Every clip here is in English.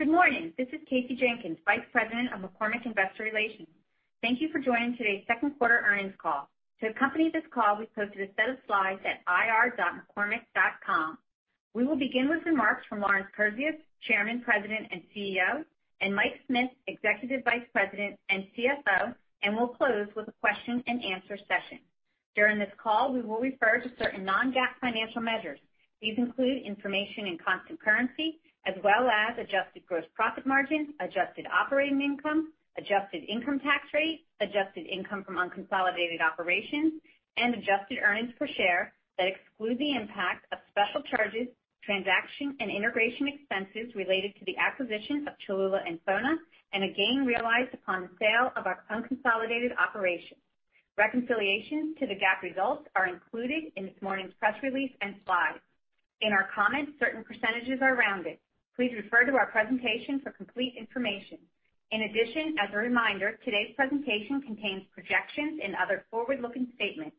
Good morning. This is Kasey Jenkins, Vice President of McCormick Investor Relations. Thank you for joining today's second quarter earnings call. To accompany this call, we posted a set of slides at ir.mccormick.com. We will begin with remarks from Lawrence Kurzius, Chairman, President, and CEO, and Mike Smith, Executive Vice President and CFO, and we'll close with a question and answer session. During this call, we will refer to certain non-GAAP financial measures. These include information in constant currency as well as adjusted gross profit margin, adjusted operating income, adjusted income tax rate, adjusted income from unconsolidated operations, and adjusted earnings per share that exclude the impact of special charges, transaction and integration expenses related to the acquisition of Cholula and FONA, and a gain realized upon the sale of our unconsolidated operations. Reconciliations to the GAAP results are included in this morning's press release and slides. In our comments, certain percentages are rounded. Please refer to our presentation for complete information. In addition, as a reminder, today's presentation contains projections and other forward-looking statements.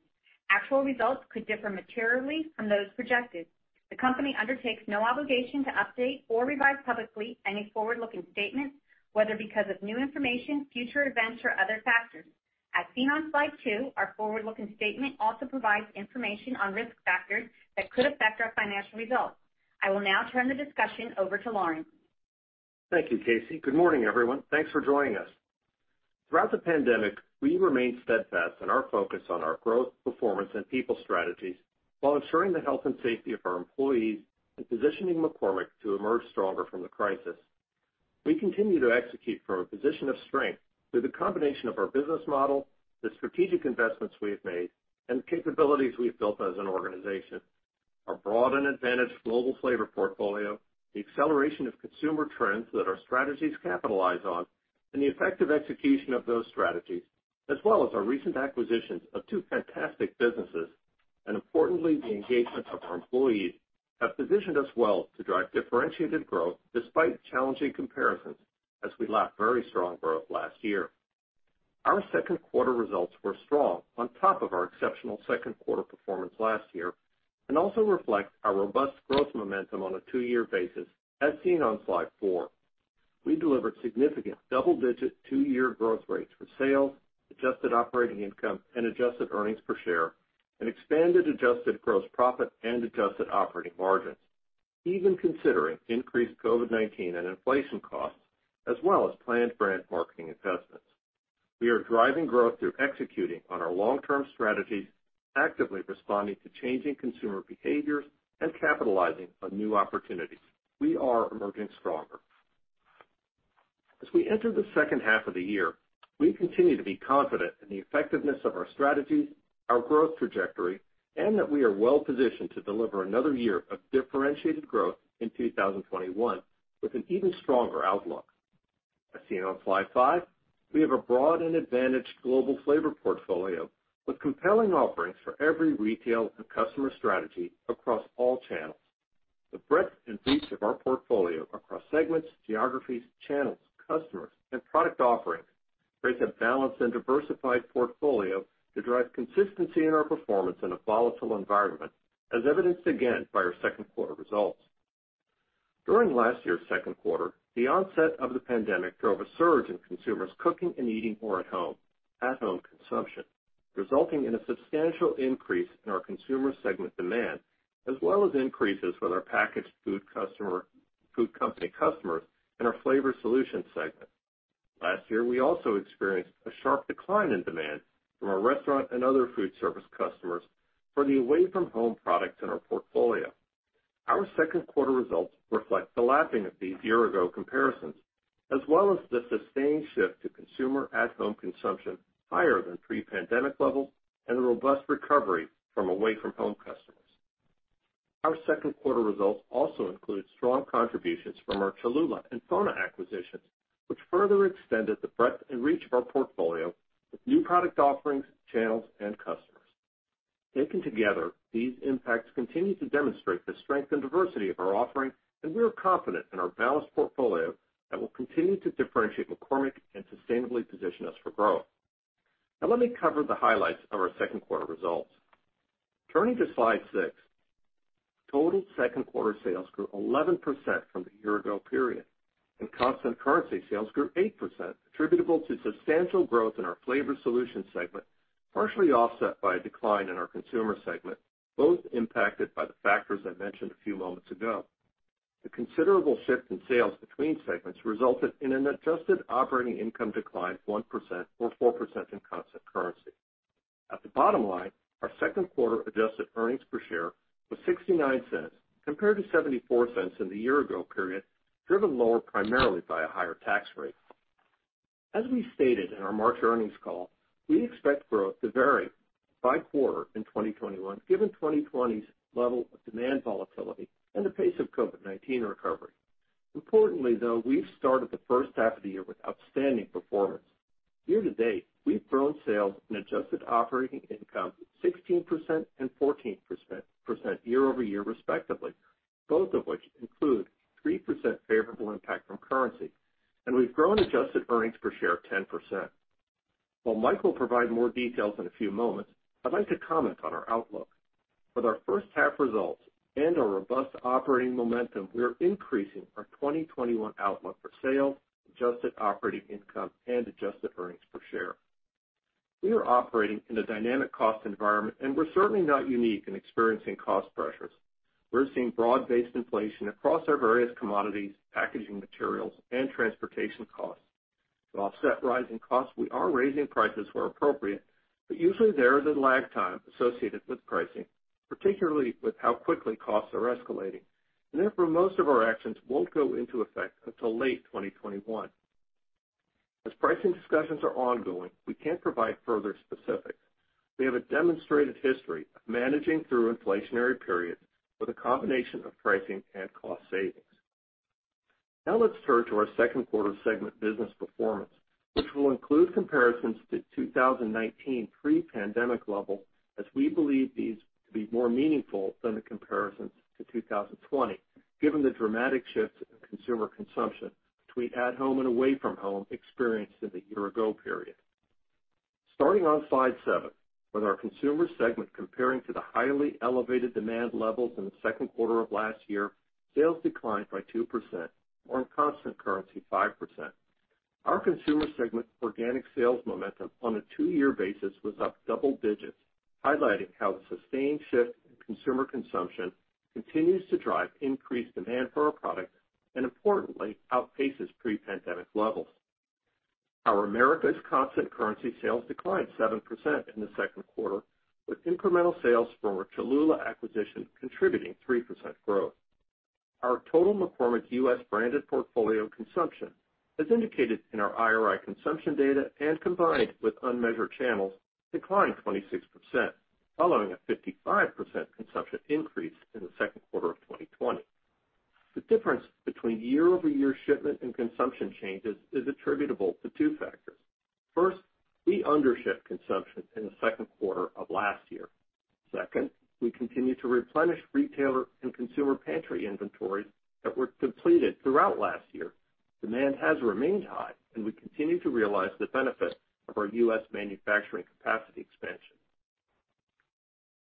Actual results could differ materially from those projected. The company undertakes no obligation to update or revise publicly any forward-looking statements, whether because of new information, future events, or other factors. As seen on slide two, our forward-looking statement also provides information on risk factors that could affect our financial results. I will now turn the discussion over to Lawrence. Thank you, Kasey. Good morning, everyone. Thanks for joining us. Throughout the pandemic, we remained steadfast in our focus on our growth, performance, and people strategies while ensuring the health and safety of our employees and positioning McCormick to emerge stronger from the crisis. We continue to execute from a position of strength with a combination of our business model, the strategic investments we've made, and the capabilities we've built as an organization. Our broad and advantaged global flavor portfolio, the acceleration of consumer trends that our strategies capitalize on, and the effective execution of those strategies, as well as our recent acquisitions of two fantastic businesses, and importantly, the engagement of our employees, have positioned us well to drive differentiated growth despite challenging comparisons as we lacked very strong growth last year. Our second quarter results were strong on top of our exceptional second quarter performance last year and also reflect our robust growth momentum on a two-year basis as seen on slide four. We delivered significant double-digit two-year growth rates for sales, adjusted operating income, and adjusted earnings per share, and expanded adjusted gross profit and adjusted operating margins, even considering increased COVID-19 and inflation costs, as well as planned brand marketing investments. We are driving growth through executing on our long-term strategies, actively responding to changing consumer behaviors, and capitalizing on new opportunities. We are emerging stronger. As we enter the second half of the year, we continue to be confident in the effectiveness of our strategies, our growth trajectory, and that we are well-positioned to deliver another year of differentiated growth in 2021 with an even stronger outlook. As seen on slide five, we have a broad and advantaged global flavor portfolio with compelling offerings for every retail and customer strategy across all channels. The breadth and reach of our portfolio across segments, geographies, channels, customers, and product offerings create a balanced and diversified portfolio to drive consistency in our performance in a volatile environment, as evidenced again by our second quarter results. During last year's second quarter, the onset of the pandemic drove a surge in consumers cooking and eating more at home, at-home consumption, resulting in a substantial increase in our consumer segment demand, as well as increases with our packaged food company customers and our flavor solution segment. Last year, we also experienced a sharp decline in demand from our restaurant and other food service customers for the away-from-home product in our portfolio. Our second quarter results reflect the lapping of these year ago comparisons, as well as the sustained shift to consumer at-home consumption higher than pre-pandemic levels and a robust recovery from away-from-home customers. Our second quarter results also include strong contributions from our Cholula and FONA acquisitions, which further extended the breadth and reach of our portfolio with new product offerings, channels, and customers. Taken together, these impacts continue to demonstrate the strength and diversity of our offering, and we are confident in our balanced portfolio that will continue to differentiate McCormick and sustainably position us for growth. Now let me cover the highlights of our second quarter results. Turning to slide six, total second quarter sales grew 11% from the year-ago period, and constant currency sales grew 8%, attributable to substantial growth in our Flavor Solutions segment, partially offset by a decline in our Consumer segment, both impacted by the factors I mentioned a few moments ago. The considerable shift in sales between segments resulted in an adjusted operating income decline 1% or 4% in constant currency. At the bottom line, our second quarter adjusted earnings per share was $0.69 compared to $0.74 in the year-ago period, driven lower primarily by a higher tax rate. As we stated in our March earnings call, we expect growth to vary by quarter in 2021, given 2020's level of demand volatility and the pace of COVID-19 recovery. Importantly, though, we've started the first half of the year with outstanding performance. Year to date, we've grown sales and adjusted operating income 16% and 14% year-over-year respectively, both of which include 3% favorable impact from currency, and we've grown adjusted earnings per share 10%. While Mike will provide more details in a few moments, I'd like to comment on our outlook. With our first half results and our robust operating momentum, we are increasing our 2021 outlook for sales, adjusted operating income, and adjusted earnings per share. We are operating in a dynamic cost environment, and we're certainly not unique in experiencing cost pressures. We're seeing broad-based inflation across our various commodities, packaging materials, and transportation costs. To offset rising costs, we are raising prices where appropriate, but usually, there is a lag time associated with pricing, particularly with how quickly costs are escalating, and therefore, most of our actions won't go into effect until late 2021. As pricing discussions are ongoing, we can't provide further specifics. We have a demonstrated history of managing through inflationary periods with a combination of pricing and cost savings. Let's turn to our second quarter segment business performance, which will include comparisons to 2019 pre-pandemic levels, as we believe these to be more meaningful than the comparisons to 2020, given the dramatic shifts in consumer consumption between at-home and away-from-home experienced in the year-ago period. Starting on slide seven, with our consumer segment comparing to the highly elevated demand levels in the second quarter of last year, sales declined by 2%, or in constant currency, 5%. Our consumer segment organic sales momentum on a two-year basis was up double digits, highlighting how the sustained shift in consumer consumption continues to drive increased demand for our products, and importantly, outpaces pre-pandemic levels. Our Americas constant currency sales declined 7% in the second quarter, with incremental sales from our Cholula acquisition contributing 3% growth. Our total McCormick U.S. branded portfolio consumption, as indicated in our IRI consumption data and combined with unmeasured channels, declined 26%, following a 55% consumption increase in the second quarter of 2020. The difference between year-over-year shipment and consumption changes is attributable to two factors. First, we undershipped consumption in the second quarter of last year. Second, we continued to replenish retailer and consumer pantry inventories that were depleted throughout last year. Demand has remained high, and we continue to realize the benefits of our U.S. manufacturing capacity expansion.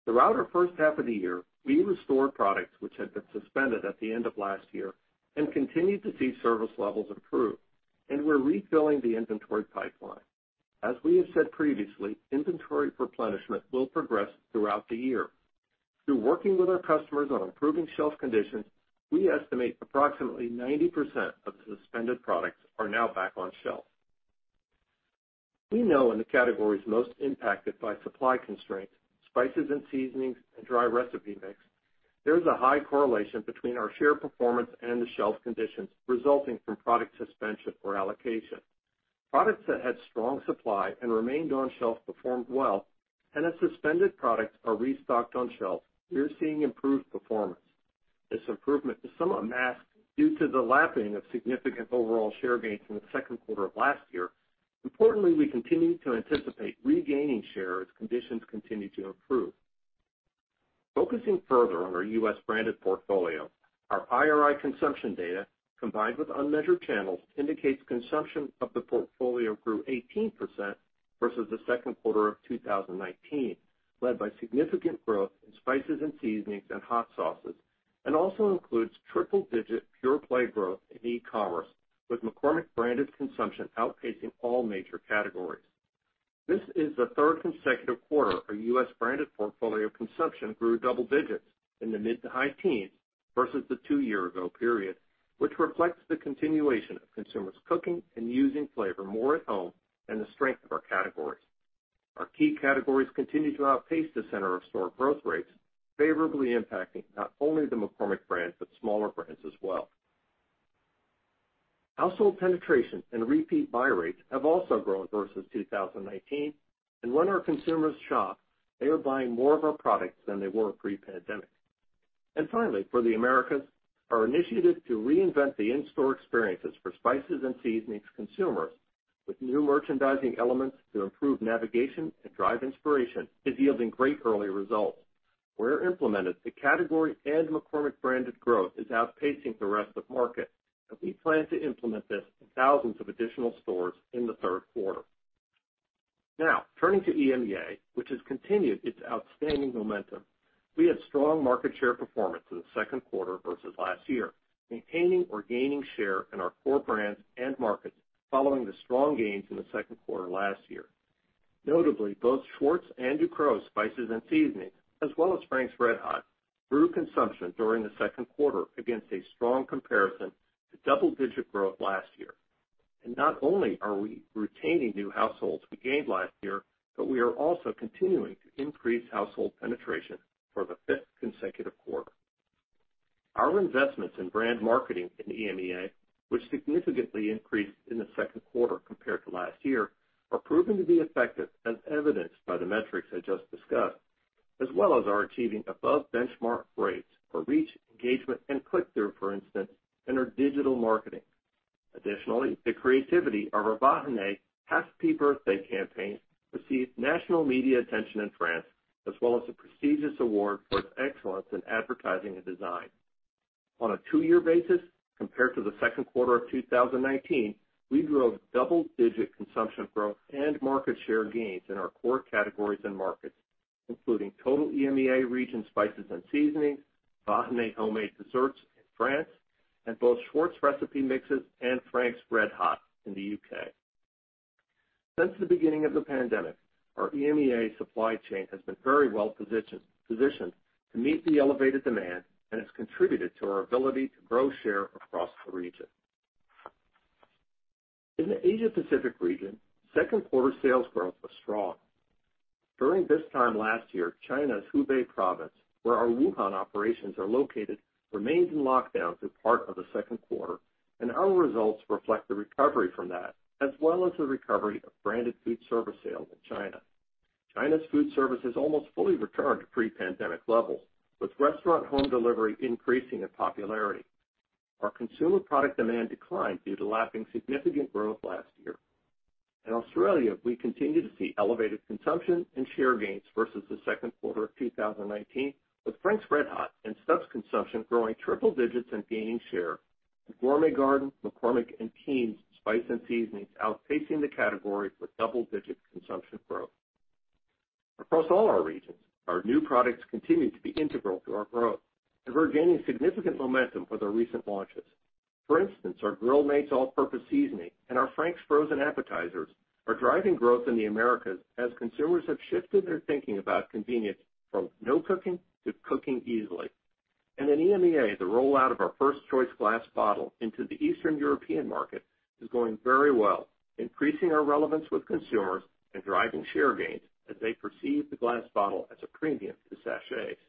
Throughout our first half of the year, we restored products which had been suspended at the end of last year and continued to see service levels improve, and we're refilling the inventory pipeline. As we have said previously, inventory replenishment will progress throughout the year. Through working with our customers on improving shelf conditions, we estimate approximately 90% of the suspended products are now back on shelf. We know in the categories most impacted by supply constraints, spices and seasonings, and dry recipe mix, there is a high correlation between our share performance and the shelf conditions resulting from product suspension or allocation. Products that had strong supply and remained on shelf performed well, and as suspended products are restocked on shelf, we are seeing improved performance. This improvement is somewhat masked due to the lapping of significant overall share gains in the second quarter of last year. Importantly, we continue to anticipate regaining share as conditions continue to improve. Focusing further on our U.S. branded portfolio, our IRI consumption data, combined with unmeasured channels, indicates consumption of the portfolio grew 18% versus the second quarter of 2019, led by significant growth in spices and seasonings and hot sauces, and also includes triple-digit pure play growth in e-commerce, with McCormick branded consumption outpacing all major categories. This is the third consecutive quarter our U.S. branded portfolio consumption grew double digits in the mid to high teens versus the two-year ago period, which reflects the continuation of consumers cooking and using flavor more at home and the strength of our categories. Our key categories continue to outpace the center of store growth rates, favorably impacting not only the McCormick brands, but smaller brands as well. Household penetration and repeat buy rates have also grown versus 2019, and when our consumers shop, they are buying more of our products than they were pre-pandemic. Finally, for the Americas, our initiative to reinvent the in-store experiences for spices and seasonings consumers with new merchandising elements to improve navigation and drive inspiration is yielding great early results. Where implemented, the category and McCormick branded growth is outpacing the rest of market, and we plan to implement this in thousands of additional stores in the third quarter. Turning to EMEA, which has continued its outstanding momentum. We had strong market share performance in the second quarter versus last year, maintaining or gaining share in our core brands and markets following the strong gains in the second quarter last year. Notably, both Schwartz and Ducros spices and seasonings, as well as Frank's RedHot, grew consumption during the second quarter against a strong comparison to double-digit growth last year. Not only are we retaining new households we gained last year, but we are also continuing to increase household penetration for the fifth consecutive quarter. Our investments in brand marketing in EMEA, which significantly increased in the second quarter compared to last year, are proving to be effective, as evidenced by the metrics I just discussed, as well as are achieving above benchmark rates for reach, engagement, and click-through, for instance, in our digital marketing. Additionally, the creativity of our Vahiné "Happy Birthday" campaign received national media attention in France, as well as a prestigious award for its excellence in advertising and design. On a two-year basis, compared to the second quarter of 2019, we drove double-digit consumption growth and market share gains in our core categories and markets, including total EMEA region spices and seasonings, Vahiné homemade desserts in France, and both Schwartz recipe mixes and Frank's RedHot in the U.K. Since the beginning of the pandemic, our EMEA supply chain has been very well-positioned to meet the elevated demand and has contributed to our ability to grow share across the region. In the Asia Pacific region, second quarter sales growth was strong. During this time last year, China's Hubei province, where our Wuhan operations are located, remained in lockdown through part of the second quarter, and our results reflect the recovery from that, as well as the recovery of branded food service sales in China. China's food service is almost fully returned to pre-pandemic levels, with restaurant home delivery increasing in popularity. Our consumer product demand declined due to lapping significant growth last year. In Australia, we continue to see elevated consumption and share gains versus the second quarter of 2019, with Frank's RedHot and Stubb's consumption growing triple digits and gaining share, with Gourmet Garden, McCormick, and Keen's spice and seasonings outpacing the category with double-digit consumption growth. Across all our regions, our new products continue to be integral to our growth, and we're gaining significant momentum with our recent launches. For instance, our Grill Mates all-purpose seasoning and our Frank's frozen appetizers are driving growth in the Americas as consumers have shifted their thinking about convenience from no cooking to cooking easily. In EMEA, the rollout of our first choice glass bottle into the Eastern European market is going very well, increasing our relevance with consumers and driving share gains as they perceive the glass bottle as a premium to sachets.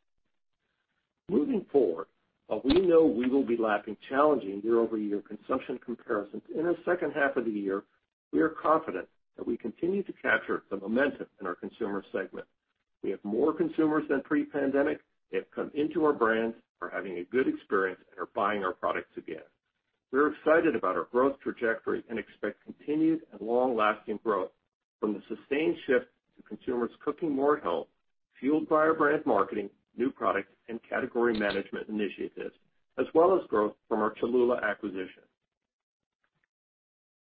Moving forward, while we know we will be lapping challenging year-over-year consumption comparisons in the second half of the year, we are confident that we continue to capture the momentum in our consumer segment. We have more consumers than pre-pandemic. They have come into our brands, are having a good experience, and are buying our products again. We're excited about our growth trajectory and expect continued and long-lasting growth from the sustained shift to consumers cooking more health, fueled by our brand marketing, new products, and category management initiatives, as well as growth from our Cholula acquisition.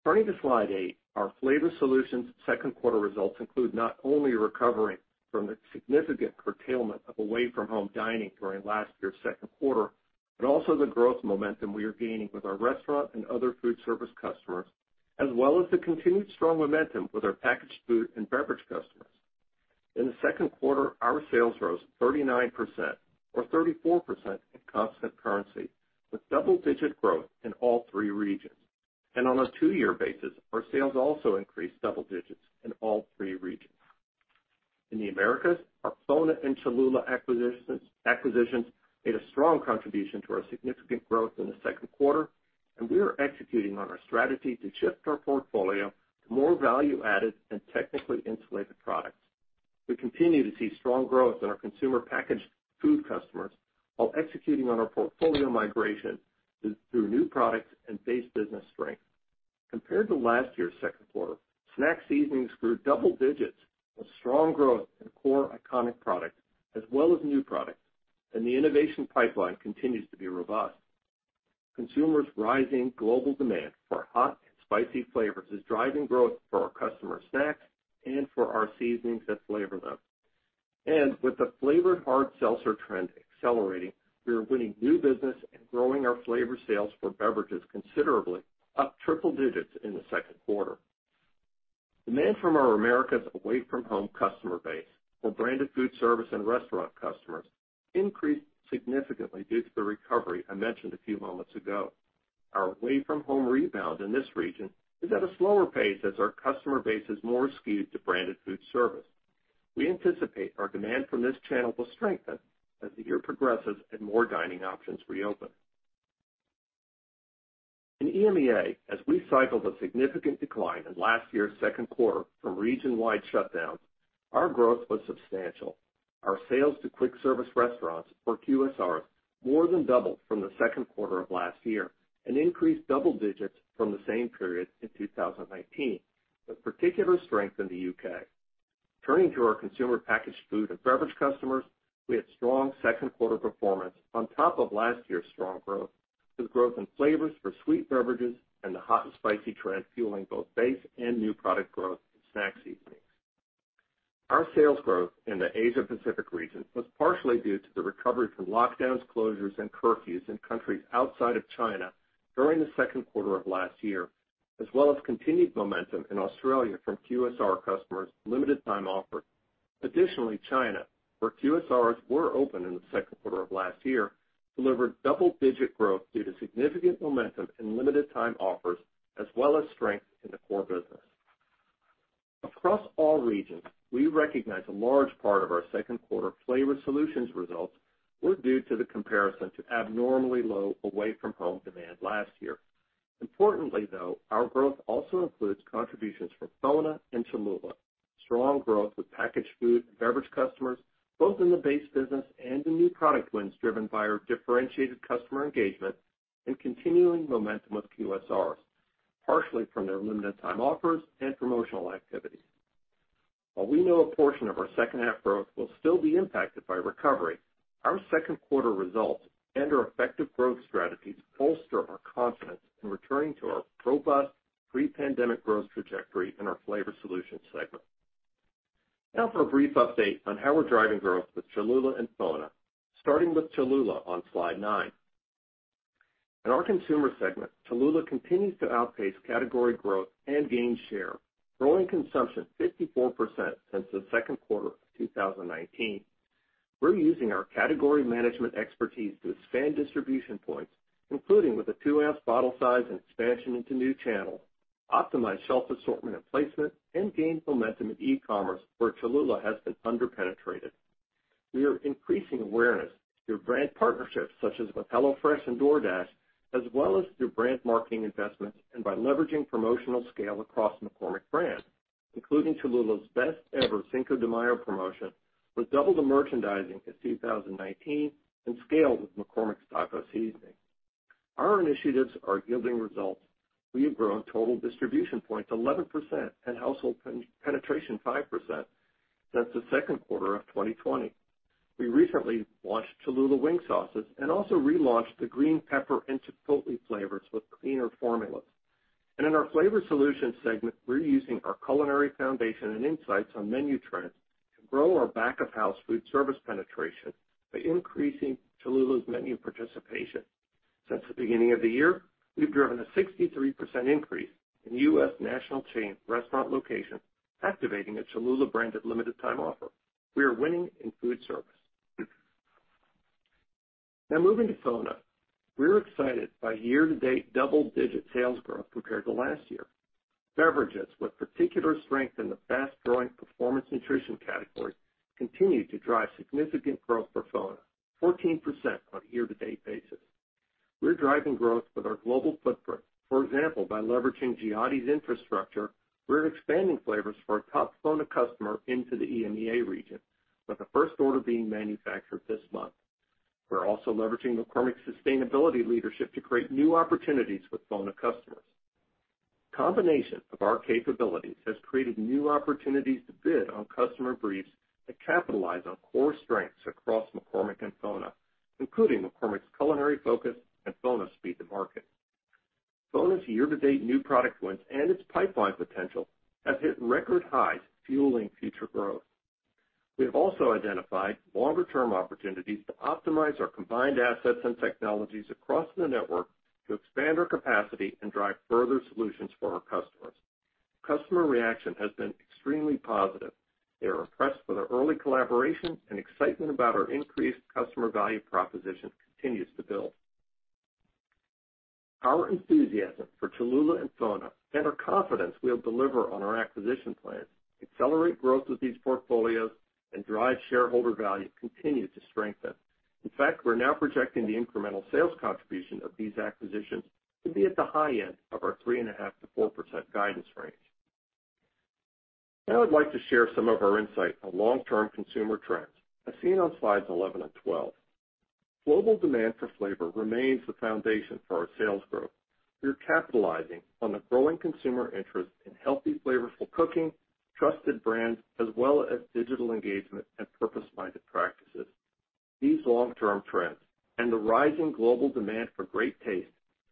Turning to slide eight, our Flavor Solutions second quarter results include not only recovering from the significant curtailment of away-from-home dining during last year's second quarter, but also the growth momentum we are gaining with our restaurant and other food service customers, as well as the continued strong momentum with our packaged food and beverage customers. In the second quarter, our sales rose 39%, or 34% at constant currency, with double-digit growth in all three regions. On a two-year basis, our sales also increased double digits in all three regions. In the Americas, our FONA and Cholula acquisitions made a strong contribution to our significant growth in the second quarter. We are executing on our strategy to shift our portfolio to more value-added and technically insulated products. We continue to see strong growth in our consumer packaged food customers while executing on our portfolio migration through new products and base business strength. Compared to last year's second quarter, snack seasonings grew double digits with strong growth in core iconic products as well as new products. The innovation pipeline continues to be robust. Consumers' rising global demand for hot and spicy flavors is driving growth for our customer snacks and for our seasonings that flavor them. With the flavored hard seltzer trend accelerating, we are winning new business and growing our flavor sales for beverages considerably, up triple digits in the second quarter. Demand from our Americas away-from-home customer base for branded food service and restaurant customers increased significantly due to the recovery I mentioned a few moments ago. Our away-from-home rebound in this region is at a slower pace as our customer base is more skewed to branded food service. We anticipate our demand from this channel will strengthen as the year progresses and more dining options reopen. In EMEA, as we cycled a significant decline in last year's second quarter from region-wide shutdowns, our growth was substantial. Our sales to quick service restaurants, or QSRs, more than doubled from the second quarter of last year and increased double digits from the same period in 2019, with particular strength in the U.K. Turning to our consumer packaged food and beverage customers, we had strong second quarter performance on top of last year's strong growth, with growth in flavors for sweet beverages and the hot and spicy trend fueling both base and new product growth in snack seasonings. Our sales growth in the Asia Pacific region was partially due to the recovery from lockdowns, closures, and curfews in countries outside of China during the second quarter of last year, as well as continued momentum in Australia from QSR customers' limited time offers. Additionally, China, where QSRs were open in the second quarter of last year, delivered double-digit growth due to significant momentum in limited time offers as well as strength in the core business. Across all regions, we recognize a large part of our second quarter flavor solutions results were due to the comparison to abnormally low away-from-home demand last year. Importantly, though, our growth also includes contributions from FONA and Cholula, strong growth with packaged food and beverage customers, both in the base business and in new product wins driven by our differentiated customer engagement and continuing momentum with QSRs, partially from their limited time offers and promotional activities. While we know a portion of our second half growth will still be impacted by recovery, our second quarter results and our effective growth strategies bolster our confidence in returning to our robust pre-pandemic growth trajectory in our flavor solution segment. Now for a brief update on how we're driving growth with Cholula and FONA. Starting with Cholula on slide nine. In our consumer segment, Cholula continues to outpace category growth and gain share, growing consumption 54% since the second quarter of 2019. We're using our category management expertise to expand distribution points, including with a two ounce bottle size and expansion into new channels, optimize shelf assortment and placement, and gain momentum in e-commerce where Cholula has been under-penetrated. We are increasing awareness through brand partnerships such as with HelloFresh and DoorDash, as well as through brand marketing investments and by leveraging promotional scale across McCormick brands, including Cholula's best ever Cinco de Mayo promotion, with double the merchandising in 2019 and scale with McCormick's taco seasoning. Our initiatives are yielding results. We've grown total distribution points 11% and household penetration 5% since the second quarter of 2020. We recently launched Cholula wing sauces and also relaunched the green pepper and chipotle flavors with cleaner formulas. In our Flavor Solutions segment, we're using our culinary foundation and insights on menu trends to grow our back-of-house food service penetration by increasing Cholula's menu participation. Since the beginning of the year, we've driven a 63% increase in U.S. national chain restaurant locations activating a Cholula branded limited time offer. We are winning in food service. Moving to FONA. We're excited by year-to-date double-digit sales growth compared to last year. Beverages, with particular strength in the fast-growing performance nutrition category, continue to drive significant growth for FONA, 14% on a year-to-date basis. We're driving growth with our global footprint. By leveraging Giotti's infrastructure, we're expanding flavors for a top FONA customer into the EMEA region, with the first order being manufactured this month. We're also leveraging McCormick's sustainability leadership to create new opportunities with FONA customers. Combination of our capabilities has created new opportunities to bid on customer briefs to capitalize on core strengths across McCormick and FONA, including McCormick's culinary focus and FONA's speed to market. FONA's year-to-date new product wins and its pipeline potential have hit record highs, fueling future growth. We've also identified longer term opportunities to optimize our combined assets and technologies across the network to expand our capacity and drive further solutions for our customers. Customer reaction has been extremely positive. They are impressed with our early collaboration, and excitement about our increased customer value propositions continues to build. Our enthusiasm for Cholula and FONA and our confidence we'll deliver on our acquisition plans, accelerate growth of these portfolios, and drive shareholder value continues to strengthen. In fact, we're now projecting the incremental sales contribution of these acquisitions to be at the high end of our 3.5%-4% guidance range. I'd like to share some of our insight on long-term consumer trends, as seen on slides 11 and 12. Global demand for flavor remains the foundation for our sales growth. We are capitalizing on a growing consumer interest in healthy, flavorful cooking, trusted brands, as well as digital engagement and purpose-minded practices. These long-term trends and the rising global demand for great taste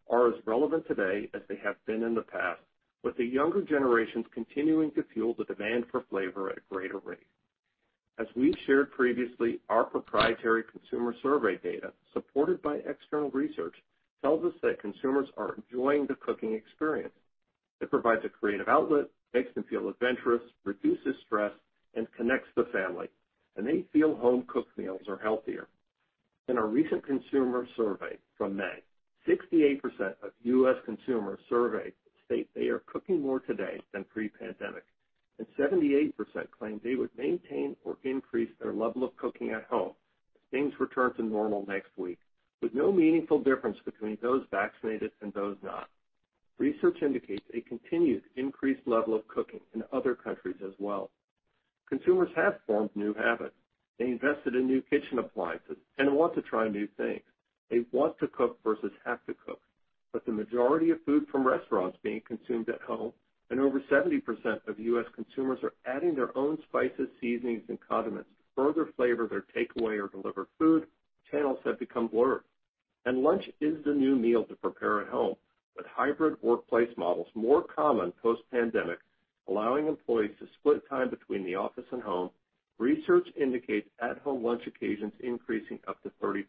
are as relevant today as they have been in the past, with the younger generations continuing to fuel the demand for flavor at a greater rate. As we shared previously, our proprietary consumer survey data, supported by external research, tells us that consumers are enjoying the cooking experience. It provides a creative outlet, makes them feel adventurous, reduces stress, and connects the family, and they feel home-cooked meals are healthier. In our recent consumer survey from May, 68% of U.S. consumers surveyed state they are cooking more today than pre-pandemic, and 78% claim they would maintain or increase their level of cooking at home if things return to normal next week, with no meaningful difference between those vaccinated and those not. Research indicates a continued increased level of cooking in other countries as well. Consumers have formed new habits. They invested in new kitchen appliances and want to try new things. They want to cook versus have to cook. With the majority of food from restaurants being consumed at home and over 70% of U.S. consumers are adding their own spices, seasonings, and condiments to further flavor their takeaway or delivered food, channels have become blurred. Lunch is the new meal to prepare at home, with hybrid workplace models more common post-pandemic, allowing employees to split time between the office and home. Research indicates at home lunch occasions increasing up to 30%.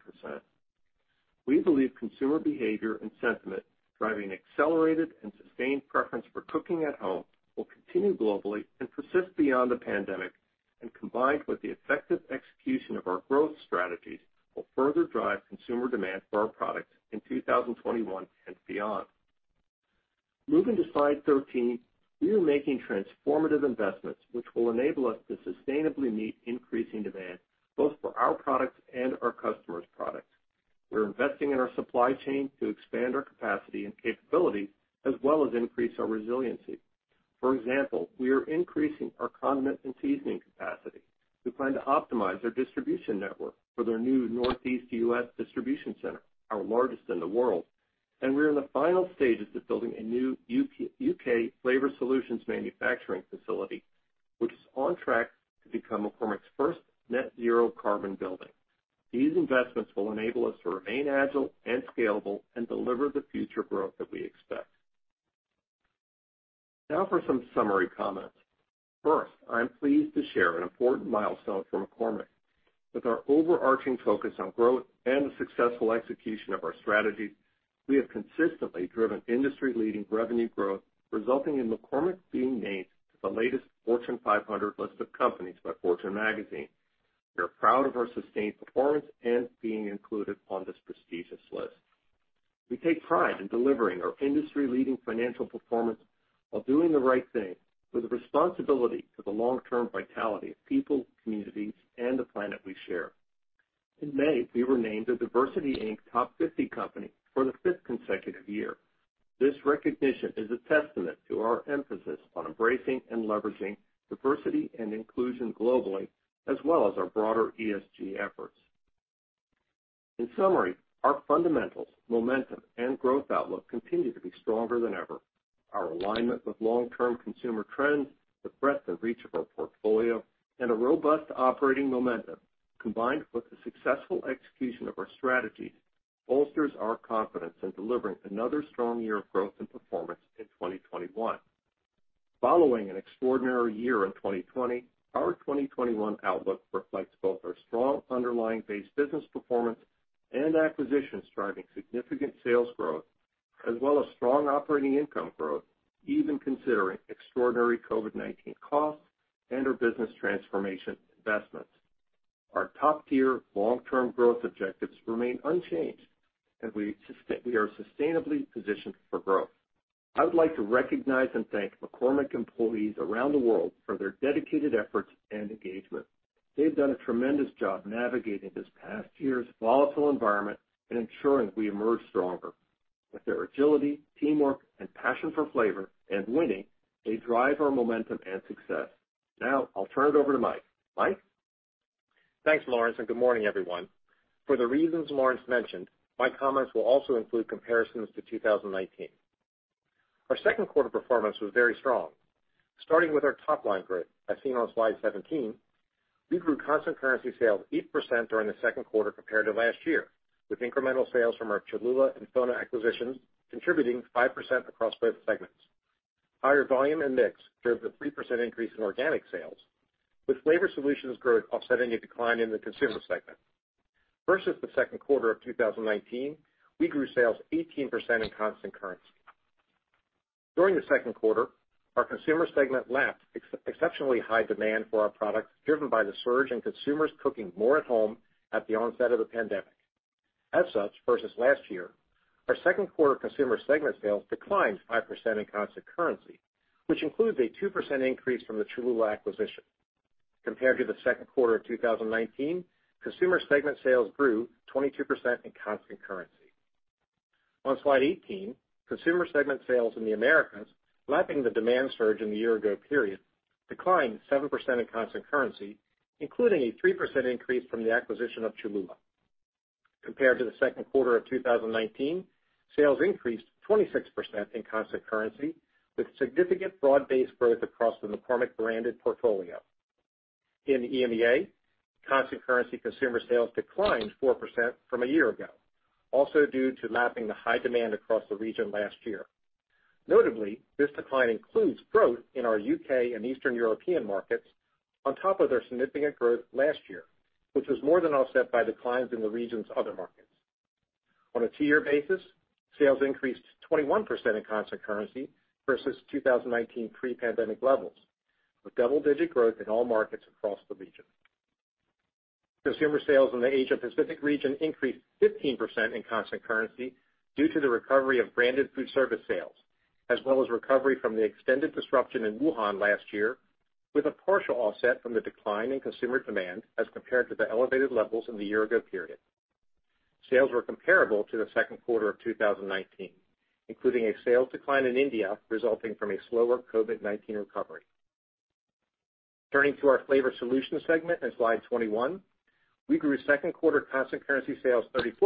We believe consumer behavior and sentiment driving accelerated and sustained preference for cooking at home will continue globally and persist beyond the pandemic, and combined with the effective execution of our growth strategies, will further drive consumer demand for our products in 2021 and beyond. Moving to slide 13, we are making transformative investments which will enable us to sustainably meet increasing demand, both for our products and our customers' products. We're investing in our supply chain to expand our capacity and capability, as well as increase our resiliency. For example, we are increasing our condiment and seasoning capacity. We plan to optimize our distribution network for the new Northeast U.S. distribution center, our largest in the world. We're in the final stages of building a new U.K. flavor solutions manufacturing facility, which is on track to become McCormick's first net zero carbon building. These investments will enable us to remain agile and scalable and deliver the future growth that we expect. Now for some summary comments. First, I'm pleased to share an important milestone for McCormick. With our overarching focus on growth and the successful execution of our strategy, we have consistently driven industry-leading revenue growth, resulting in McCormick being named to the latest Fortune 500 list of companies by Fortune Magazine. We are proud of our sustained performance and being included on this prestigious list. We take pride in delivering our industry-leading financial performance while doing the right thing with a responsibility for the long-term vitality of people, communities, and the planet we share. In May, we were named a DiversityInc Top 50 company for the fifth consecutive year. This recognition is a testament to our emphasis on embracing and leveraging diversity and inclusion globally, as well as our broader ESG efforts. In summary, our fundamentals, momentum, and growth outlook continue to be stronger than ever. Our alignment with long-term consumer trends, the breadth and reach of our portfolio, and a robust operating momentum, combined with the successful execution of our strategies, bolsters our confidence in delivering another strong year of growth and performance in 2021. Following an extraordinary year in 2020, our 2021 outlook reflects both our strong underlying base business performance and acquisitions driving significant sales growth, as well as strong operating income growth, even considering extraordinary COVID-19 costs and our business transformation investments. Our top-tier long-term growth objectives remain unchanged, and we are sustainably positioned for growth. I would like to recognize and thank McCormick employees around the world for their dedicated efforts and engagement. They've done a tremendous job navigating this past year's volatile environment and ensuring we emerge stronger. With their agility, teamwork, and passion for flavor and winning, they drive our momentum and success. I'll turn it over to Mike. Mike? Thanks, Lawrence, and good morning, everyone. For the reasons Lawrence mentioned, my comments will also include comparisons to 2019. Our second quarter performance was very strong. Starting with our top-line growth, as seen on slide 17, we grew constant currency sales 8% during the second quarter compared to last year, with incremental sales from our Cholula and FONA acquisitions contributing 5% across both segments. Higher volume and mix drove the 3% increase in organic sales, with flavor solutions growth offsetting a decline in the consumer segment. Versus the second quarter of 2019, we grew sales 18% in constant currency. During the second quarter, our consumer segment lapped exceptionally high demand for our products, driven by the surge in consumers cooking more at home at the onset of the pandemic. As such, versus last year, our second quarter consumer segment sales declined 5% in constant currency, which includes a 2% increase from the Cholula acquisition. Compared to the second quarter of 2019, consumer segment sales grew 22% in constant currency. On slide 18, consumer segment sales in the Americas lapping the demand surge in the year ago period declined 7% in constant currency, including a 3% increase from the acquisition of Cholula. Compared to the second quarter of 2019, sales increased 26% in constant currency, with significant broad-based growth across the McCormick branded portfolio. In EMEA, constant currency consumer sales declined 4% from a year ago, also due to lapping the high demand across the region last year. Notably, this decline includes growth in our U.K. and Eastern European markets on top of their significant growth last year, which was more than offset by declines in the region's other markets. On a two-year basis, sales increased 21% in constant currency versus 2019 pre-pandemic levels, with double-digit growth in all markets across the region. Consumer sales in the Asia Pacific region increased 15% in constant currency due to the recovery of branded food service sales, as well as recovery from the extended disruption in Wuhan last year, with a partial offset from the decline in consumer demand as compared to the elevated levels in the year-ago period. Sales were comparable to the second quarter of 2019, including a sales decline in India resulting from a slower COVID-19 recovery. Turning to our Flavor Solutions segment on slide 21, we grew second quarter constant currency sales 34%,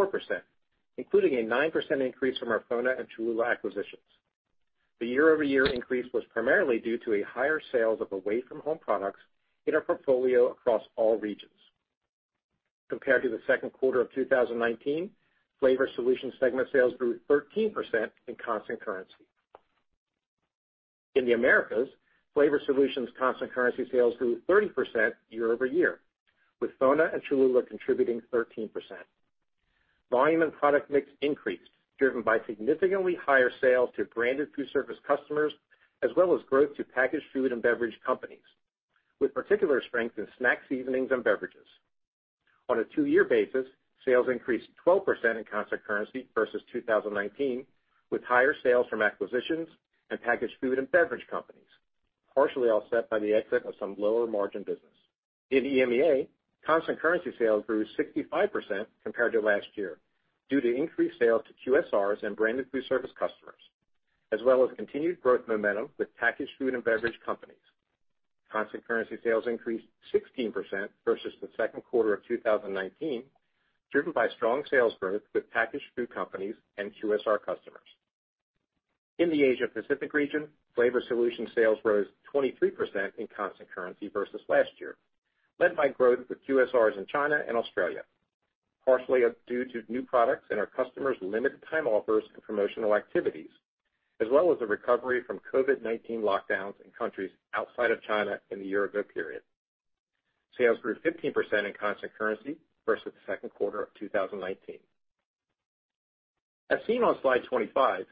including a 9% increase from our FONA and Cholula acquisitions. The year-over-year increase was primarily due to higher sales of away-from-home products in our portfolio across all regions. Compared to the second quarter of 2019, Flavor Solutions Segment sales grew 13% in constant currency. In the Americas, flavor solutions constant currency sales grew 30% year-over-year, with FONA and Cholula contributing 13%. Volume and product mix increased, driven by significantly higher sales to branded food service customers as well as growth to packaged food and beverage companies, with particular strength in snack seasonings and beverages. On a two-year basis, sales increased 12% in constant currency versus 2019, with higher sales from acquisitions and packaged food and beverage companies, partially offset by the exit of some lower margin business. In EMEA, constant currency sales grew 65% compared to last year due to increased sales to QSRs and branded food service customers. As well as continued growth momentum with packaged food and beverage companies. Constant currency sales increased 16% versus the second quarter of 2019, driven by strong sales growth with packaged food companies and QSR customers. In the Asia Pacific region, flavor solution sales rose 23% in constant currency versus last year, led by growth with QSRs in China and Australia, partially due to new products and our customers' limited time offers and promotional activities, as well as the recovery from COVID-19 lockdowns in countries outside of China in the year-ago period. Sales grew 15% in constant currency versus the second quarter of 2019. As seen on slide 25,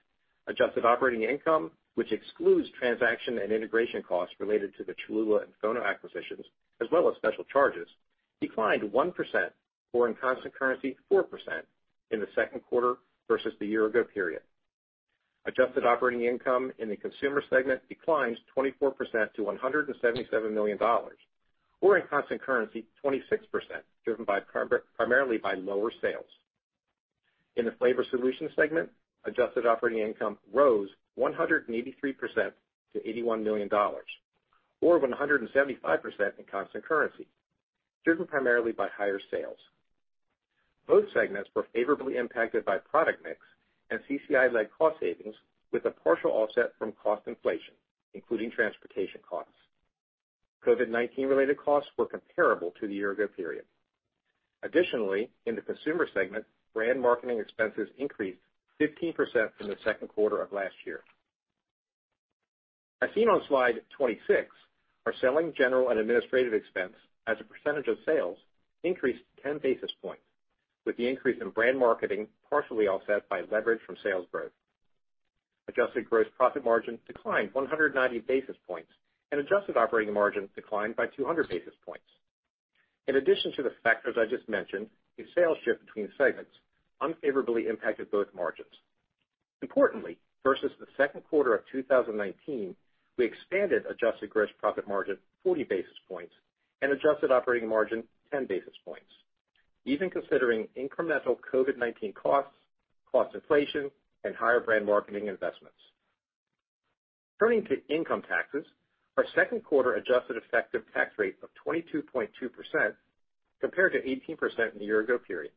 adjusted operating income, which excludes transaction and integration costs related to the Cholula and FONA acquisitions, as well as special charges, declined 1%, or in constant currency, 4%, in the second quarter versus the year-ago period. Adjusted operating income in the consumer segment declined 24% to $177 million, or in constant currency 26%, driven primarily by lower sales. In the flavor solutions segment, adjusted operating income rose 183% to $81 million, or 175% in constant currency, driven primarily by higher sales. Both segments were favorably impacted by product mix and CCI-led cost savings with a partial offset from cost inflation, including transportation costs. COVID-19 related costs were comparable to the year-ago period. Additionally, in the consumer segment, brand marketing expenses increased 15% from the second quarter of last year. As seen on Slide 26, our selling, general, and administrative expense as a percentage of sales increased 10 basis points, with the increase in brand marketing partially offset by leverage from sales growth. Adjusted gross profit margin declined 190 basis points, and adjusted operating margin declined by 200 basis points. In addition to the factors I just mentioned, a sales shift between segments unfavorably impacted both margins. Importantly, versus the second quarter of 2019, we expanded adjusted gross profit margin 40 basis points and adjusted operating margin 10 basis points, even considering incremental COVID-19 costs, cost inflation, and higher brand marketing investments. Turning to income taxes, our second quarter adjusted effective tax rate of 22.2% compared to 18% in the year-ago period.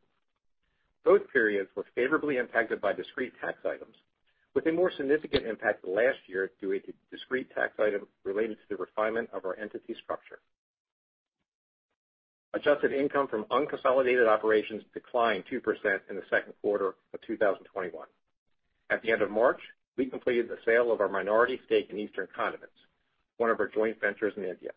Both periods were favorably impacted by discrete tax items, with a more significant impact last year due to discrete tax item related to the refinement of our entity structure. Adjusted income from unconsolidated operations declined 2% in the second quarter of 2021. At the end of March, we completed the sale of our minority stake in Eastern Condiments, one of our joint ventures in India.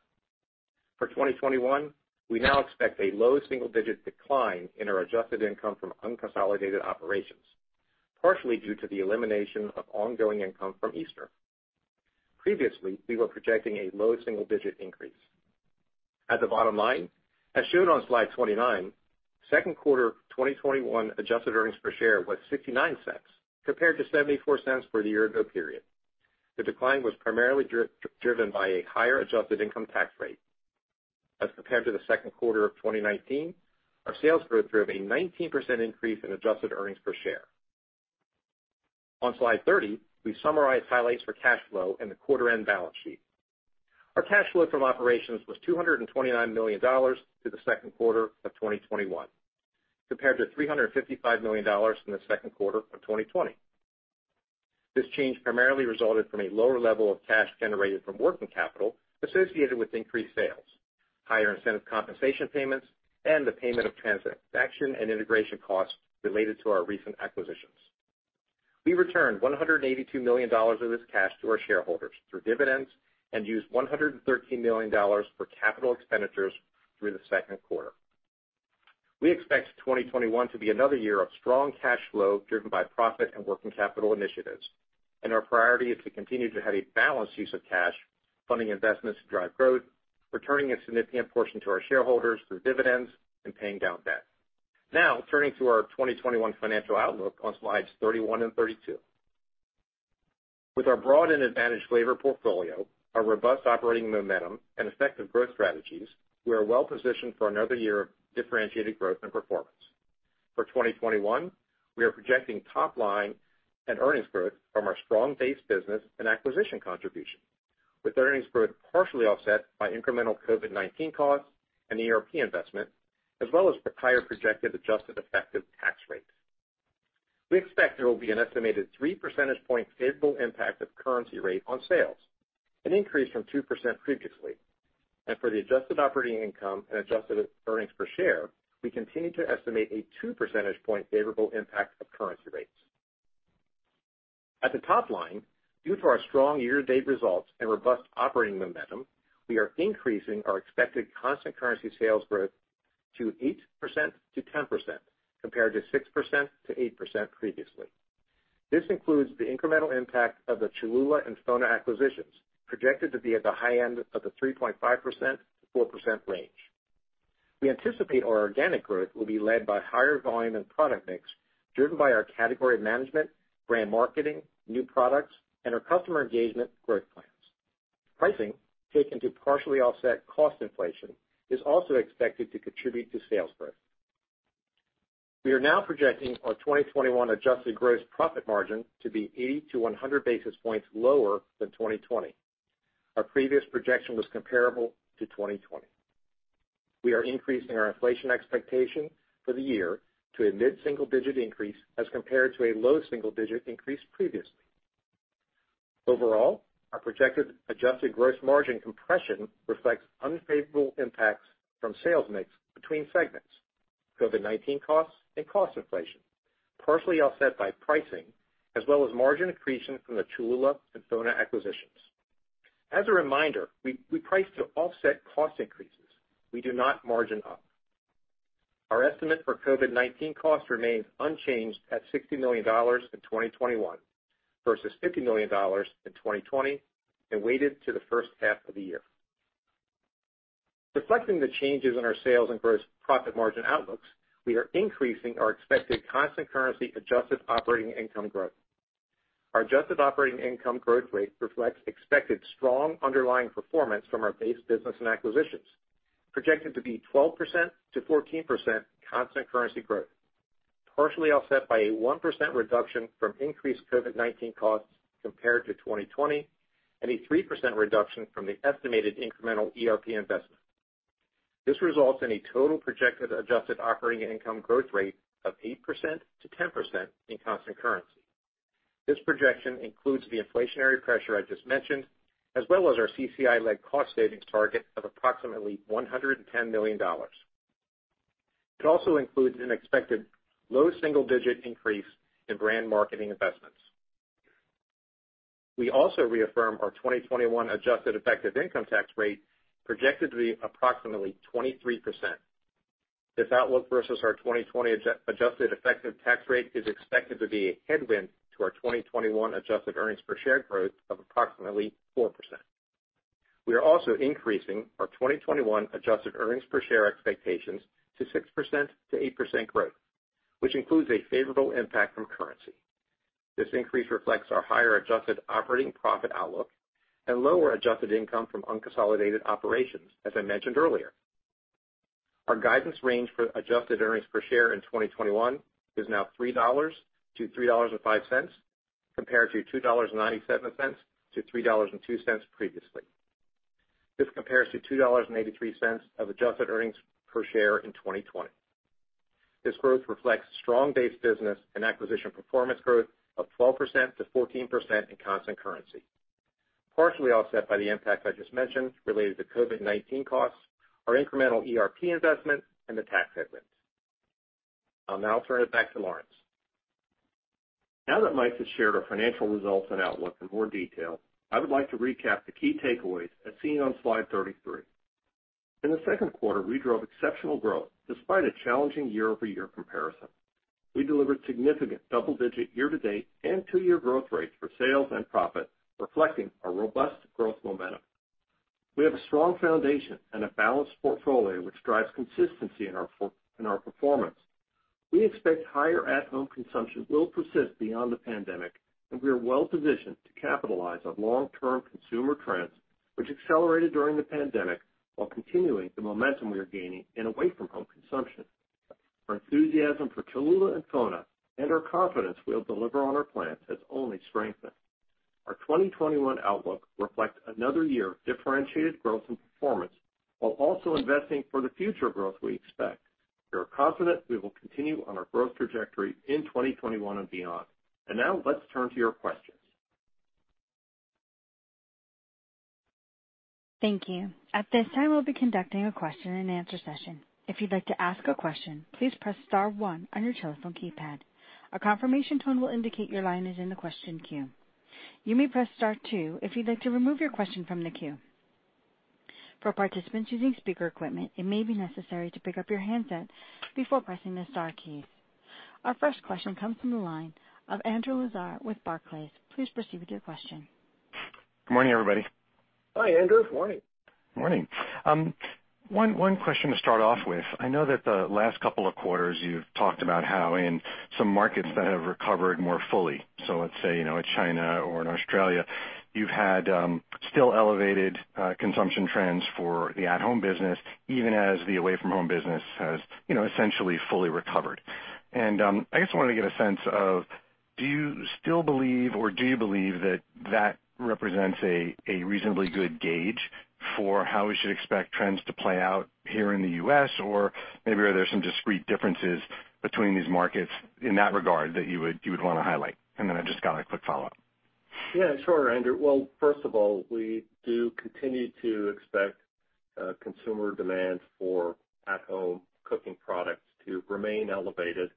For 2021, we now expect a low single-digit decline in our adjusted income from unconsolidated operations, partially due to the elimination of ongoing income from Eastern. Previously, we were projecting a low single-digit increase. At the bottom line, as shown on slide 29, second quarter 2021 adjusted earnings per share was $0.69 compared to $0.74 for the year-ago period. The decline was primarily driven by a higher adjusted income tax rate. As compared to the second quarter of 2019, our sales growth drove a 19% increase in adjusted earnings per share. On slide 30, we summarize highlights for cash flow and the quarter-end balance sheet. Our cash flow from operations was $229 million through the second quarter of 2021, compared to $355 million in the second quarter of 2020. This change primarily resulted from a lower level of cash generated from working capital associated with increased sales, higher incentive compensation payments, and the payment of transaction and integration costs related to our recent acquisitions. We returned $182 million of this cash to our shareholders through dividends and used $113 million for capital expenditures through the second quarter. We expect 2021 to be another year of strong cash flow driven by profit and working capital initiatives, our priority is to continue to have a balanced use of cash, funding investments to drive growth, returning a significant portion to our shareholders through dividends, and paying down debt. Turning to our 2021 financial outlook on slides 31 and 32. With our broad and advantaged flavor portfolio, our robust operating momentum, and effective growth strategies, we are well positioned for another year of differentiated growth and performance. For 2021, we are projecting top line and earnings growth from our strong base business and acquisition contribution, with earnings growth partially offset by incremental COVID-19 costs and ERP investment, as well as higher projected adjusted effective tax rates. We expect there will be an estimated three percentage point favorable impact of currency rate on sales, an increase from 2% previously. For the adjusted operating income and adjusted earnings per share, we continue to estimate a two percentage point favorable impact of currency rates. At the top line, due to our strong year-to-date results and robust operating momentum, we are increasing our expected constant currency sales growth to 8%-10%, compared to 6%-8% previously. This includes the incremental impact of the Cholula and FONA acquisitions, projected to be at the high end of the 3.5%-4% range. We anticipate our organic growth will be led by higher volume and product mix driven by our category management, brand marketing, new products, and our customer engagement growth plans. Pricing, taken to partially offset cost inflation, is also expected to contribute to sales growth. We are now projecting our 2021 adjusted gross profit margin to be 80-100 basis points lower than 2020. Our previous projection was comparable to 2020. We are increasing our inflation expectation for the year to a mid-single-digit increase as compared to a low single-digit increase previously. Overall, our projected adjusted gross margin compression reflects unfavorable impacts from sales mix between segments, COVID-19 costs and cost inflation, partially offset by pricing as well as margin accretion from the Cholula and FONA acquisitions. As a reminder, we price to offset cost increases. We do not margin up. Our estimate for COVID-19 costs remains unchanged at $60 million in 2021 versus $50 million in 2020 and weighted to the first half of the year. Reflecting the changes in our sales and gross profit margin outlooks, we are increasing our expected constant currency adjusted operating income growth. Our adjusted operating income growth rate reflects expected strong underlying performance from our base business and acquisitions, projected to be 12%-14% constant currency growth, partially offset by a 1% reduction from increased COVID-19 costs compared to 2020 and a 3% reduction from the estimated incremental ERP investment. This results in a total projected adjusted operating income growth rate of 8%-10% in constant currency. This projection includes the inflationary pressure I just mentioned, as well as our CCI-led cost savings target of approximately $110 million. It also includes an expected low single-digit increase in brand marketing investments. We also reaffirm our 2021 adjusted effective income tax rate, projected to be approximately 23%. This outlook versus our 2020 adjusted effective tax rate is expected to be a headwind to our 2021 adjusted earnings per share growth of approximately 4%. We are also increasing our 2021 adjusted earnings per share expectations to 6%-8% growth, which includes a favorable impact from currency. This increase reflects our higher adjusted operating profit outlook and lower adjusted income from unconsolidated operations, as I mentioned earlier. Our guidance range for adjusted earnings per share in 2021 is now $3-$3.05, compared to $2.97-$3.02 previously. This compares to $2.83 of adjusted earnings per share in 2020. This growth reflects strong base business and acquisition performance growth of 12%-14% in constant currency, partially offset by the impact I just mentioned related to COVID-19 costs, our incremental ERP investment, and the tax headwind. I'll now turn it back to Lawrence. Now that Mike has shared our financial results and outlook in more detail, I would like to recap the key takeaways as seen on slide 33. In the second quarter, we drove exceptional growth despite a challenging year-over-year comparison. We delivered significant double-digit year-to-date and two-year growth rates for sales and profit, reflecting our robust growth momentum. We have a strong foundation and a balanced portfolio which drives consistency in our performance. We expect higher at-home consumption will persist beyond the pandemic, and we are well-positioned to capitalize on long-term consumer trends which accelerated during the pandemic while continuing the momentum we are gaining in away-from-home consumption. Our enthusiasm for Cholula and FONA and our confidence we'll deliver on our plans has only strengthened. Our 2021 outlook reflects another year of differentiated growth and performance while also investing for the future growth we expect. We are confident we will continue on our growth trajectory in 2021 and beyond. Now let's turn to your questions. Thank you. At this time, we'll be conducting a question and answer session. If you'd like to ask a question, please press star, one on your telephone keypad. A confirmation tone will indicate your line is in the question queue. You may press star, two if you'd like to remove your question from the queue. For participants using speaker equipment, it may be necessary to pick up your handset before pressing the star keys. Our first question comes from the line of Andrew Lazar with Barclays. Please proceed with your question. Good morning, everybody. Hi, Andrew. Morning. Morning. One question to start off with. I know that the last couple of quarters you've talked about how in some markets that have recovered more fully, so let's say, in China or in Australia, you've had still elevated consumption trends for the at-home business, even as the away-from-home business has essentially fully recovered. I just wanted to get a sense of, do you still believe, or do you believe that that represents a reasonably good gauge for how we should expect trends to play out here in the U.S.? Maybe are there some discrete differences between these markets in that regard that you would want to highlight? Then I've just got a quick follow-up. Sure, Andrew. First of all, we do continue to expect consumer demand for at-home cooking products to remain elevated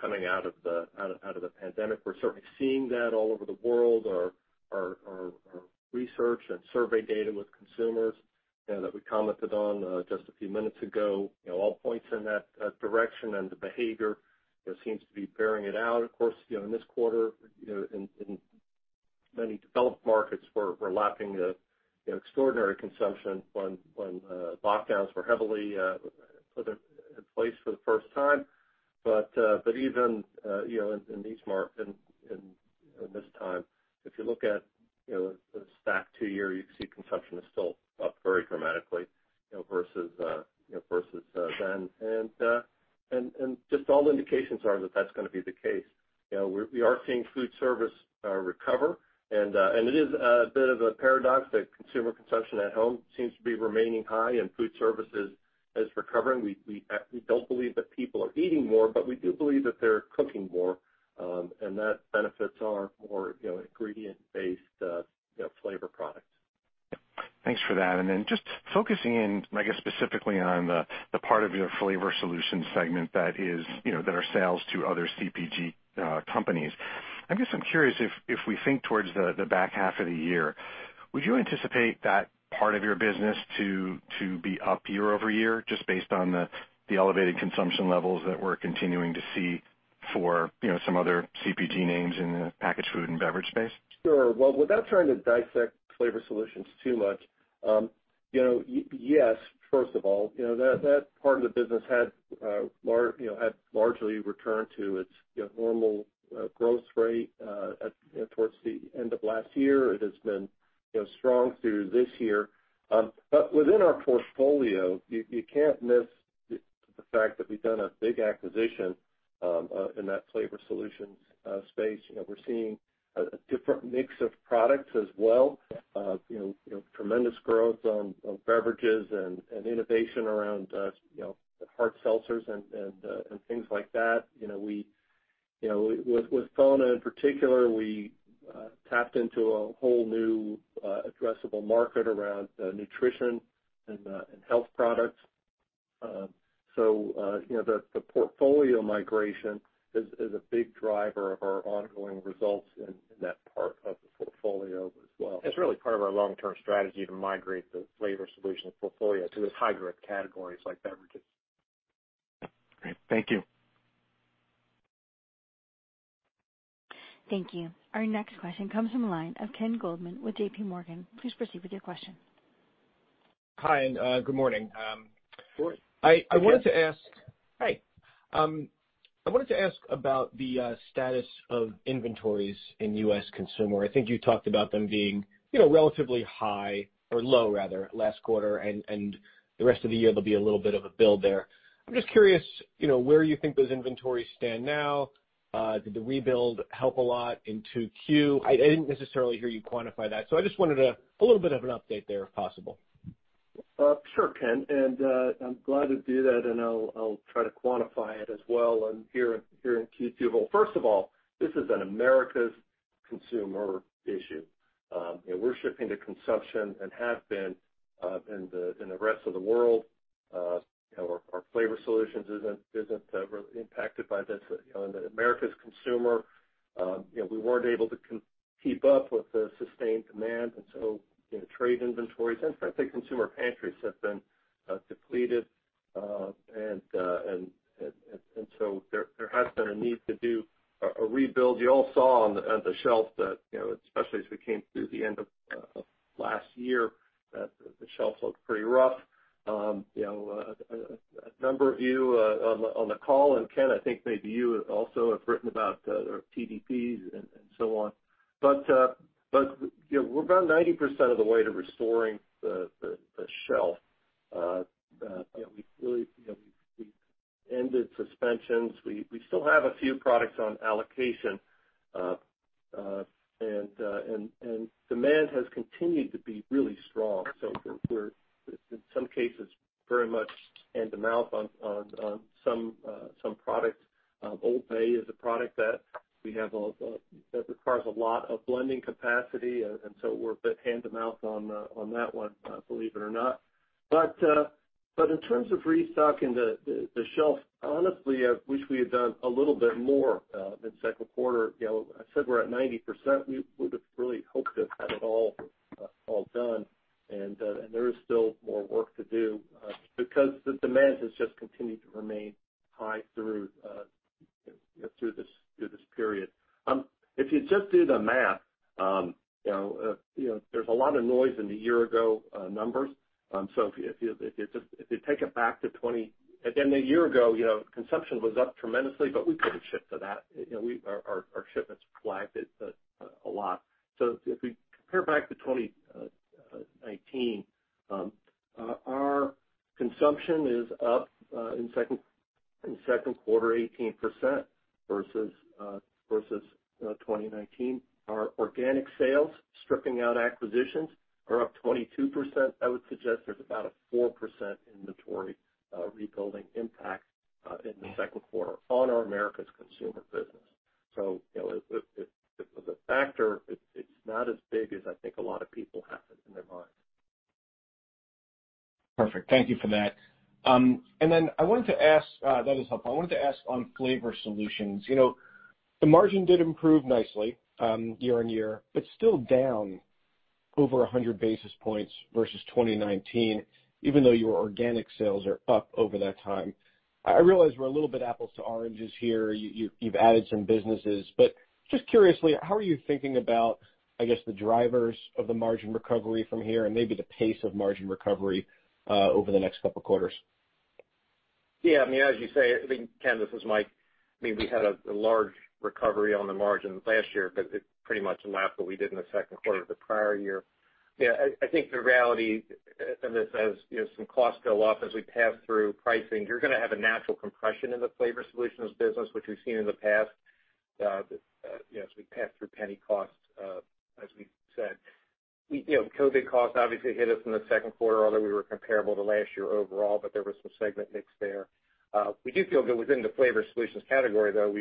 coming out of the pandemic. We're certainly seeing that all over the world. Our research and survey data with consumers that we commented on just a few minutes ago, all points in that direction, and the behavior seems to be bearing it out. Of course, in this quarter, in many developed markets, we're lapping extraordinary consumption when lockdowns were heavily put in place for the first time. Even in these markets in this time, if you look at the stack two year, you see consumption is still up very dramatically versus then. Just all indications are that that's going to be the case. We are seeing food service recover, and it is a bit of a paradox that consumer consumption at home seems to be remaining high and food service is recovering. We don't believe that people are eating more, but we do believe that they're cooking more. That benefits our more ingredient-based flavor products. Thanks for that. Just focusing in, I guess specifically on the part of your Flavor Solutions segment that are sales to other CPG companies. I guess I'm curious if we think towards the back half of the year, would you anticipate that part of your business to be up year-over-year, just based on the elevated consumption levels that we're continuing to see for some other CPG names in the packaged food and beverage space? Sure. Well, without trying to dissect Flavor Solutions too much, yes. First of all, that part of the business had largely returned to its normal growth rate towards the end of last year. It has been strong through this year. Within our portfolio, you can't miss the fact that we've done a big acquisition in that Flavor Solutions space. We're seeing a different mix of products as well. Tremendous growth on beverages and innovation around hard seltzers and things like that. With FONA in particular, we tapped into a whole new addressable market around nutrition and health products. The portfolio migration is a big driver of our ongoing results in that part of the portfolio as well. It's really part of our long-term strategy to migrate the Flavor Solutions portfolio to those high-growth categories like beverages. Great. Thank you. Thank you. Our next question comes from the line of Ken Goldman with JPMorgan. Please proceed with your question. Hi, and good morning. Good morning. Hi. I wanted to ask about the status of inventories in U.S. consumer. I think you talked about them being relatively high or low rather last quarter, and the rest of the year there'll be a little bit of a build there. I'm just curious where you think those inventories stand now. Did the rebuild help a lot in 2Q? I didn't necessarily hear you quantify that, I just wanted a little bit of an update there, if possible. Sure, Ken, and I'm glad to do that, and I'll try to quantify it as well here in Q2. First of all, this is an Americas Consumer issue, and we're shipping to consumption and have been in the rest of the world. Our Flavor Solutions isn't heavily impacted by this. In the Americas Consumer we weren't able to keep up with the sustained demand until trade inventories. In fact, I think consumer pantries have been depleted, and so there has been a need to do a rebuild. You all saw on the shelf that, especially as we came through the end of last year, that the shelf looked pretty rough. A number of you on the call, and Ken, I think maybe you also have written about TDPs and so on. We're about 90% of the way to restoring the shelf. We've ended suspensions. We still have a few products on allocation, and demand has continued to be really strong. We're, in some cases, very much hand-to-mouth on some products. OLD BAY is a product that requires a lot of blending capacity, and so we're a bit hand-to-mouth on that one, believe it or not. In terms of restocking the shelf, honestly, I wish we had done a little bit more in the second quarter. I said we're at 90%. We would have really hoped to have had it all done. There is still more work to do because the demand has just continued to remain high through this period. If you just do the math, there's a lot of noise in the year-ago numbers. If you take it back to again, a year ago, consumption was up tremendously, but we couldn't ship to that. Our ship has flagged a lot. If we compare back to 2019, our consumption is up in second quarter 18% versus 2019. Our organic sales, stripping out acquisitions, are up 22%. I would suggest there's about a 4% inventory rebuilding impact in the second quarter on our Americas Consumer business. It's a factor. It's not as big as I think a lot of people have it in their minds. Perfect. Thank you for that. That was helpful. I wanted to ask on Flavor Solutions. The margin did improve nicely year-on-year, but still down over 100 basis points versus 2019, even though your organic sales are up over that time. I realize we're a little bit apples to oranges here. You've added some businesses. Just curiously, how are you thinking about, I guess, the drivers of the margin recovery from here and maybe the pace of margin recovery over the next couple quarters? Yeah. As you say, Ken, this is Mike. We had a large recovery on the margins last year, but it pretty much lapped what we did in the second quarter of the prior year. I think the reality, and as some costs go up, as we pass through pricing, you're going to have a natural compression in the Flavor Solutions business, which we've seen in the past as we pass through penny cost as we said. COVID costs obviously hit us in the second quarter, although we were comparable to last year overall, but there was some segment mix there. We do feel good within the Flavor Solutions category, though.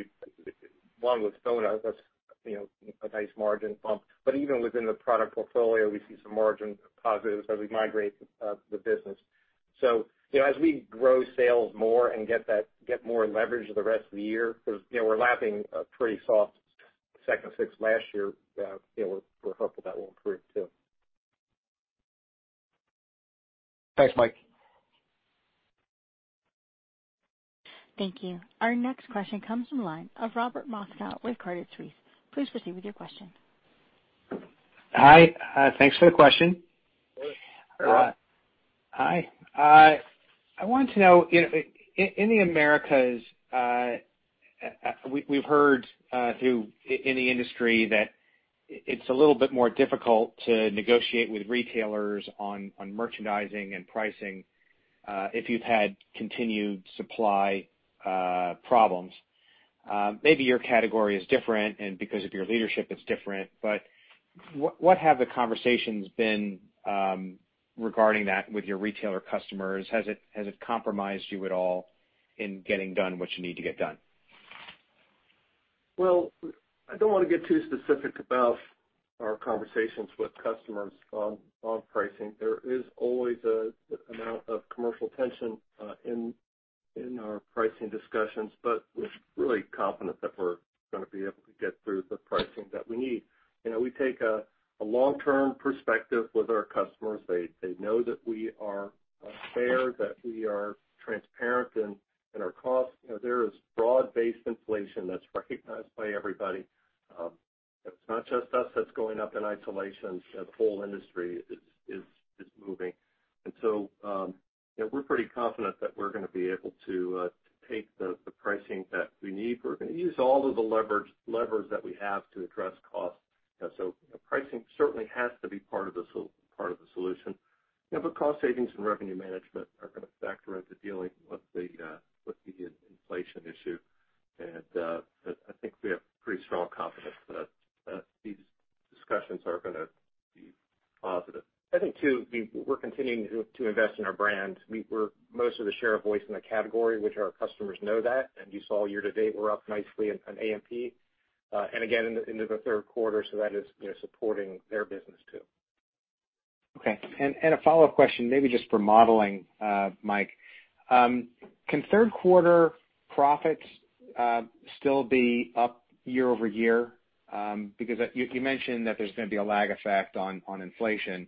One with FONA, that's a nice margin bump. Even within the product portfolio, we see some margin positives as we migrate the business. As we grow sales more and get more leverage for the rest of the year, because we're lapping a pretty soft second half last year, we're hopeful that will improve too. Thanks, Mike. Thank you. Our next question comes from the line of Robert Moskow with Credit Suisse. Please proceed with your question. Hi. Thanks for the question. Hi. Hi. I wanted to know in the Americas, we've heard through in the industry that it's a little bit more difficult to negotiate with retailers on merchandising and pricing if you've had continued supply problems. Maybe your category is different and because of your leadership it's different, but what have the conversations been regarding that with your retailer customers? Has it compromised you at all in getting done what you need to get done? Well, I don't want to get too specific about our conversations with customers on pricing. There is always a amount of commercial tension in our pricing discussions, but we're really confident that we're going to be able to get moving. We're pretty confident that we're going to be able to take the pricing that we need. We're going to use all of the levers that we have to address costs. Pricing certainly has to be part of the solution. Cost savings and revenue management are going to factor into dealing with the inflation issue. I think we have pretty strong confidence that these discussions are going to be positive. I think too, we're continuing to invest in our brands. We're mostly the share of voice in the category, which our customers know that. You saw year-to-date, we're up nicely on A&P, and again in the third quarter. That is supporting their business too. A follow-up question maybe just for modeling, Mike. Can third quarter profits still be up year-over-year? You mentioned that there's going to be a lag effect on inflation.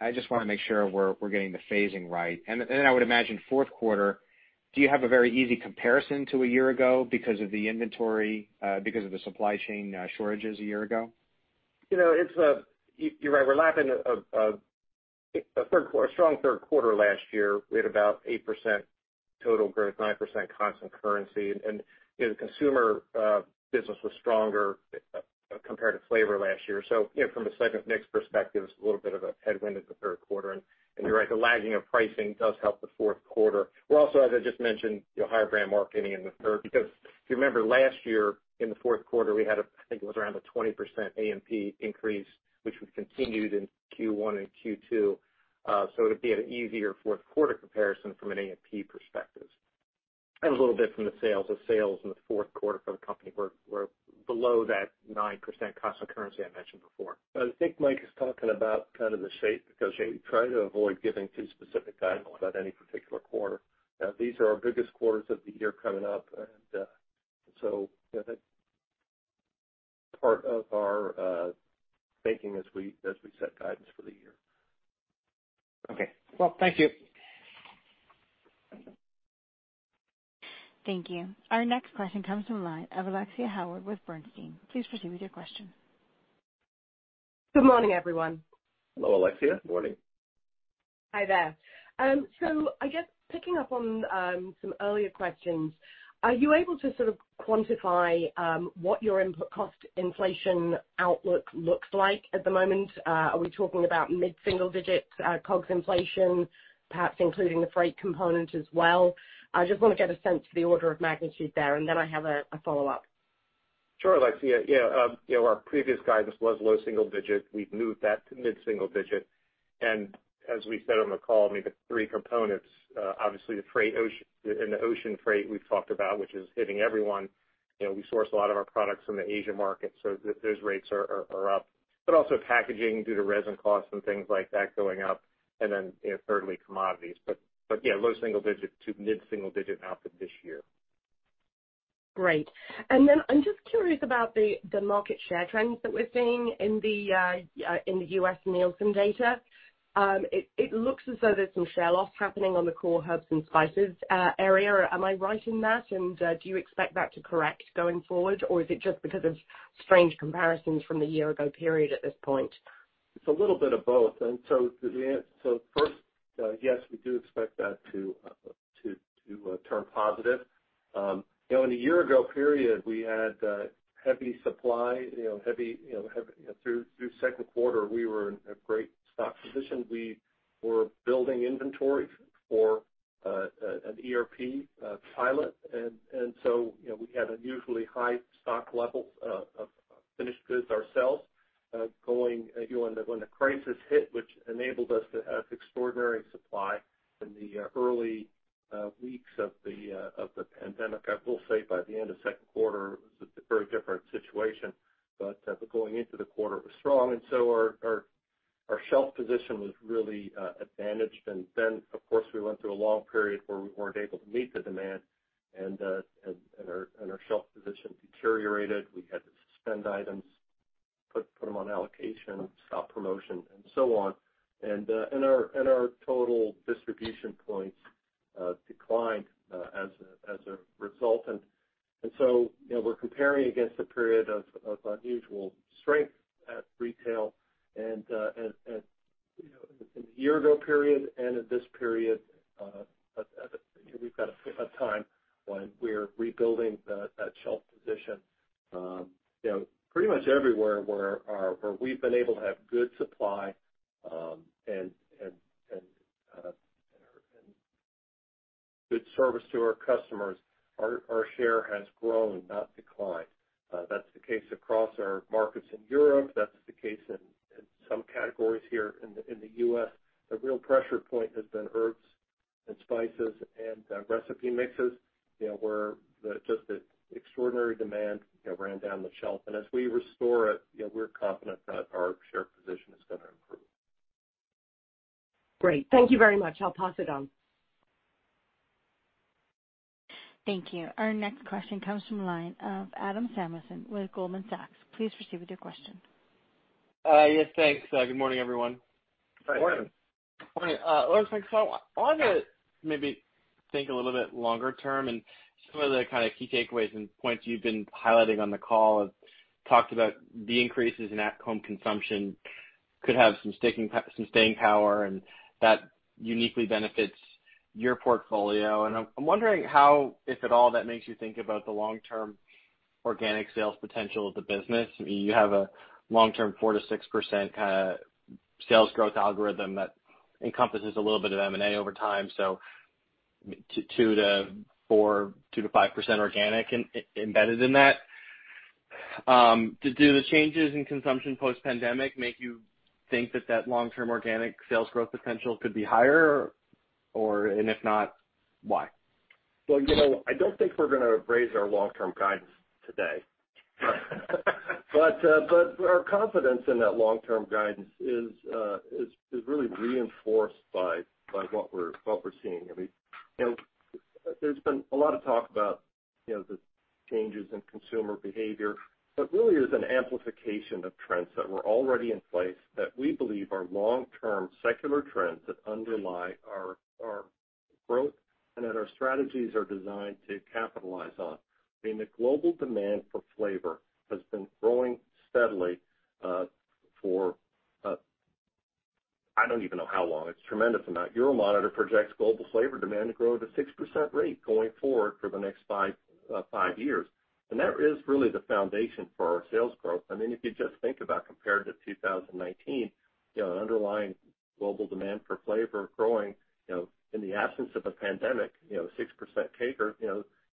I just want to make sure we're getting the phasing right. I would imagine fourth quarter, do you have a very easy comparison to a year ago because of the inventory, because of the supply chain shortages a year ago? You're right. We're lapping a strong third quarter last year. We had about 8% total growth, 9% constant currency. Consumer business was stronger compared to flavor last year. From a segment mix perspective, it's a little bit of a headwind at the third quarter. You're right, the lagging of pricing does help the fourth quarter. We're also, as I just mentioned, higher brand marketing in the third because if you remember last year in the fourth quarter, we had, I think it was around a 20% A&P increase, which we continued in Q1 and Q2. It'd be an easier fourth quarter comparison from an A&P perspective. A little bit from the sales. The sales in the fourth quarter for the company were below that 9% constant currency I mentioned before. I think Mike is talking about kind of the shape because you try to avoid giving too specific guidance on any particular quarter. These are our biggest quarters of the year coming up. That's part of our thinking as we set guidance for the year. Okay. Well, thank you. Thank you. Our next question comes from the line of Alexia Howard with Bernstein. Please proceed with your question. Good morning, everyone. Hello, Alexia. Good morning. Hi there. Just picking up on some earlier questions, are you able to sort of quantify what your input cost inflation outlook looks like at the moment? Are we talking about mid-single digits COGS inflation, perhaps including the freight component as well? I just want to get a sense of the order of magnitude there, and then I have a follow-up. Sure, Alexia. Our previous guidance was low single digit. We've moved that to mid-single digit. As we said on the call, the three components, obviously the freight and ocean freight we've talked about, which is hitting everyone. We source a lot of our products from the Asia market, so those rates are up. Also packaging due to resin costs and things like that going up. Thirdly, commodities. Again, low single digit to mid-single digit outlook this year. Great. Then I'm just curious about the market share trends that we're seeing in the U.S. NielsenIQ data. It looks as though there's some share loss happening on the core herbs and spices area. Am I right in that? Do you expect that to correct going forward? Is it just because of strange comparisons from a year ago period at this point? It's a little bit of both. First, yes, we do expect that to turn positive. In the year ago period, we had heavy supply. Through second quarter, we were in a great stock position. We were building inventory for an ERP pilot. We had unusually high stock levels of finished goods ourselves when the crisis hit, which enabled us to have extraordinary supply in the early weeks of the pandemic. I will say by the end of second quarter, it was a very different situation. Going into the quarter, it was strong, our shelf position was really advantaged. Of course, we went through a long period where we weren't able to meet the demand, and our shelf position deteriorated. We had to suspend items, put them on allocation, stop promotion, and so on. Our total distribution points declined as a result. We're comparing against a period of unusual strength at retail and in the year ago period and at this period, we've got a time when we're rebuilding that shelf position. Pretty much everywhere where we've been able to have good supply and good service to our customers, our share has grown, not declined. That's the case across our markets in Europe. That's the case in some categories here in the U.S. The real pressure point has been herbs and spices and recipe mixes, where just the extraordinary demand ran down the shelf. As we restore it, we're confident that our share position is going to improve. Great. Thank you very much. I'll pass it on. Thank you. Our next question comes from the line of Adam Samuelson with Goldman Sachs. Please proceed with your question. Yes, thanks. Good morning, everyone. Morning. Morning. Lawrence, thanks. I wanted to maybe think a little bit longer term, and some of the kind of key takeaways and points you've been highlighting on the call have talked about the increases in at-home consumption could have some staying power, and that uniquely benefits your portfolio. I'm wondering how, if at all, that makes you think about the long-term organic sales potential of the business. You have a long-term 4%-6% kind of sales growth algorithm that encompasses a little bit of M&A over time, so 2%-5% organic embedded in that. Do the changes in consumption post-pandemic make you think that long-term organic sales growth potential could be higher? If not, why? Well, I don't think we're going to raise our long-term guidance today. Our confidence in that long-term guidance is really reinforced by what we're seeing. There's been a lot of talk about the changes in consumer behavior, but really is an amplification of trends that were already in place that we believe are long-term secular trends that underlie our growth and that our strategies are designed to capitalize on. The global demand for flavor has been growing steadily for, I don't even know how long. It's a tremendous amount. Euromonitor projects global flavor demand to grow at a 6% rate going forward for the next five years. That is really the foundation for our sales growth. If you just think about compared to 2019, underlying global demand for flavor growing, in the absence of a pandemic, 6% CAGR,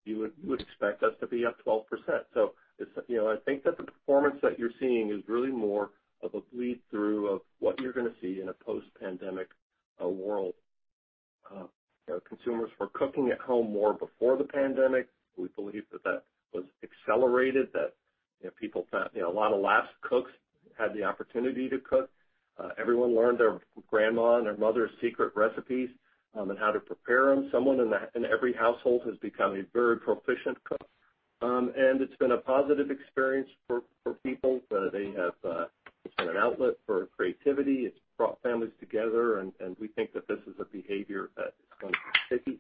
you would expect us to be up 12%. I think that the performance that you're seeing is really more of a bleed through of what you're going to see in a post-pandemic world. Consumers were cooking at home more before the pandemic. We believe that that was accelerated, that a lot of lapsed cooks had the opportunity to cook. Everyone learned their grandma and their mother's secret recipes, and how to prepare them. Someone in every household has become a very proficient cook. It's been a positive experience for people. It's been an outlet for creativity. It's brought families together, and we think that this is a behavior that is going to be sticky.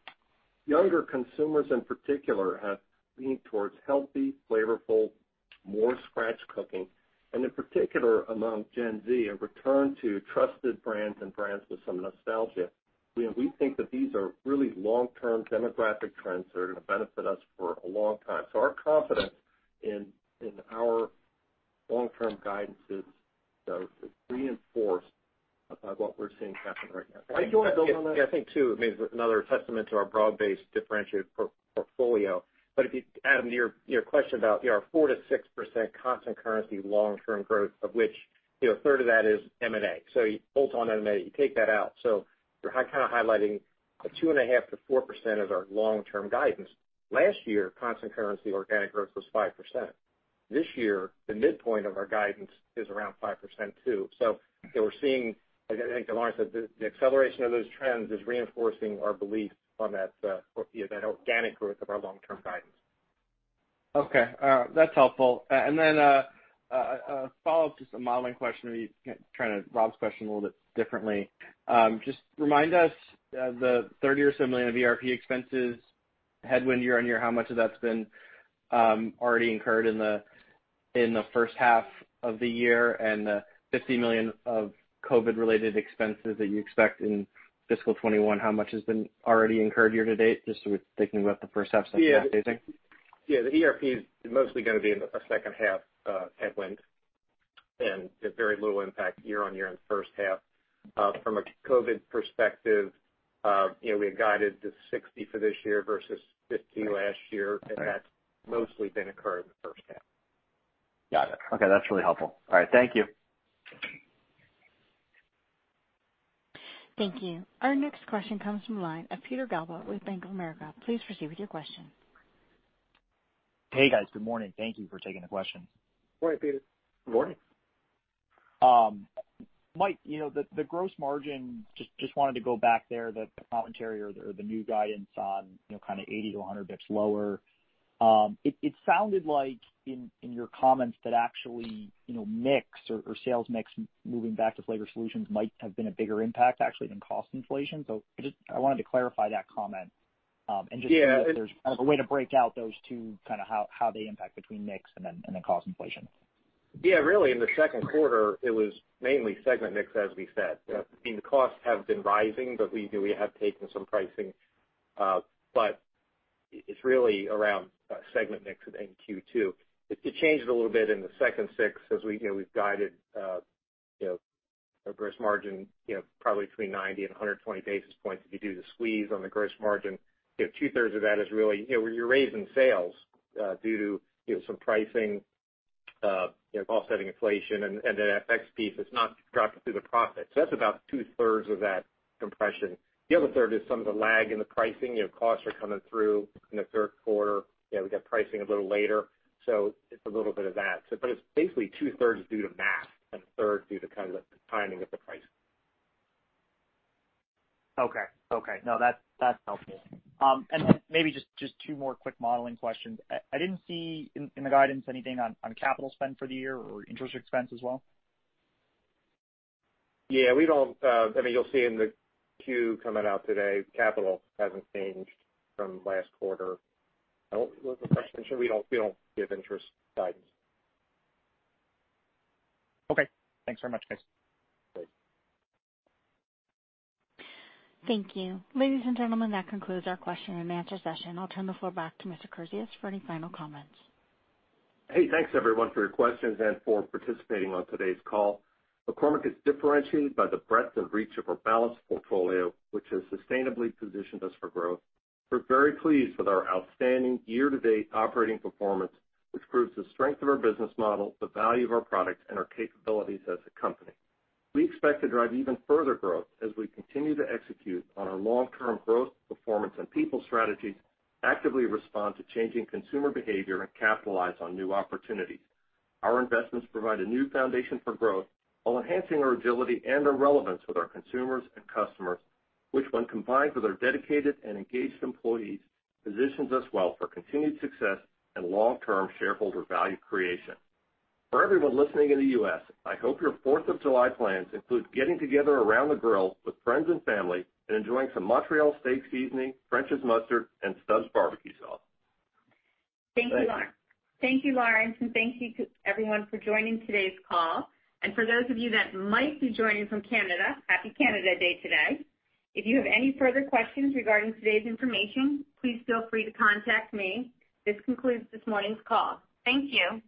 Younger consumers, in particular, have leaned towards healthy, flavorful, more scratch cooking, and in particular among Gen Z, a return to trusted brands and brands with some nostalgia. We think that these are really long-term demographic trends that are going to benefit us for a long time. Our confidence in our long-term guidance is reinforced by what we're seeing happening right now. Do you want to build on that? Yeah. I think, too, maybe another testament to our broad-based differentiated portfolio. Adam Samuelson, your question about our 4%-6% constant currency long-term growth, of which a third of that is M&A. You bolt on M&A, you take that out. You're kind of highlighting a 2.5%-4% of our long-term guidance. Last year, constant currency organic growth was 5%. This year, the midpoint of our guidance is around 5%, too. We're seeing, I think as Lawrence Kurzius said, the acceleration of those trends is reinforcing our belief on that organic growth of our long-term guidance. Okay. That's helpful. a follow-up, just a modeling question, maybe trying Rob's question a little bit differently. Just remind us, the $30 million or so of ERP expenses Headwind year-on-year, how much of that's been already incurred in the first half of the year and the $50 million of COVID-related expenses that you expect in fiscal 2021, how much has been already incurred year to date, just thinking about the first half since last AC? Yeah. The ERP is mostly going to be in the second half headwind and very little impact year-over-year in the first half. From a COVID perspective, we guided to $60 million for this year versus $50 million last year. That's mostly been incurred in the first half. Got it. Okay. That's really helpful. All right. Thank you. Thank you. Our next question comes from the line of Peter Galbo with Bank of America. Please proceed with your question. Hey, guys. Good morning. Thank you for taking the question. Morning, Peter. Mike, the gross margin, just wanted to go back there, the commentary or the new guidance on 80-100 basis points lower. It sounded like in your comments that actually, mix or sales mix moving back to Flavor Solutions might have been a bigger impact actually than cost inflation. I wanted to clarify that comment. Yeah Just if there's a way to break out those two, how they impact between mix and then cost inflation. Yeah, really in the second quarter, it was mainly segment mix, as we said. The costs have been rising, we have taken some pricing. It's really around segment mix in Q2. It could change a little bit in the second six as we've guided gross margin probably between 90 and 120 basis points if you do the squeeze on the gross margin. Two-thirds of that is really, you're raising sales due to some pricing, cost adding inflation, and an FX piece. It's not dropping through the profit. That's about two-thirds of that compression. The other third is some of the lag in the pricing. Costs are coming through in the third quarter. We've got pricing a little later. It's a little bit of that. It's basically two-thirds due to mix and a third due to timing of the price. Okay. No, that's helpful. Maybe just two more quick modeling questions. I didn't see in the guidance anything on capital spend for the year or interest expense as well. You'll see in the Q coming out today, capital hasn't changed from last quarter. What was the question? Sure, we don't give interest guidance. Okay. Thanks very much, guys. Great. Thank you. Ladies and gentlemen, that concludes our question and answer session. I'll turn the floor back to Mr. Kurzius for any final comments. Hey, thanks everyone for your questions and for participating on today's call. McCormick is differentiated by the breadth and reach of our balanced portfolio, which has sustainably positioned us for growth. We're very pleased with our outstanding year-to-date operating performance, which proves the strength of our business model, the value of our products, and our capabilities as a company. We expect to drive even further growth as we continue to execute on our long-term growth, performance, and people strategies, actively respond to changing consumer behavior, and capitalize on new opportunities. Our investments provide a new foundation for growth while enhancing our agility and our relevance with our consumers and customers, which when combined with our dedicated and engaged employees, positions us well for continued success and long-term shareholder value creation. For everyone listening in the U.S., I hope your 4th of July plans include getting together around the grill with friends and family and enjoying some Montreal Steak Seasoning, French's Mustard, and Stubb's Barbecue Sauce. Thank you, Lawrence, and thank you everyone for joining today's call. For those of you that might be joining from Canada, happy Canada Day today. If you have any further questions regarding today's information, please feel free to contact me. This concludes this morning's call. Thank you.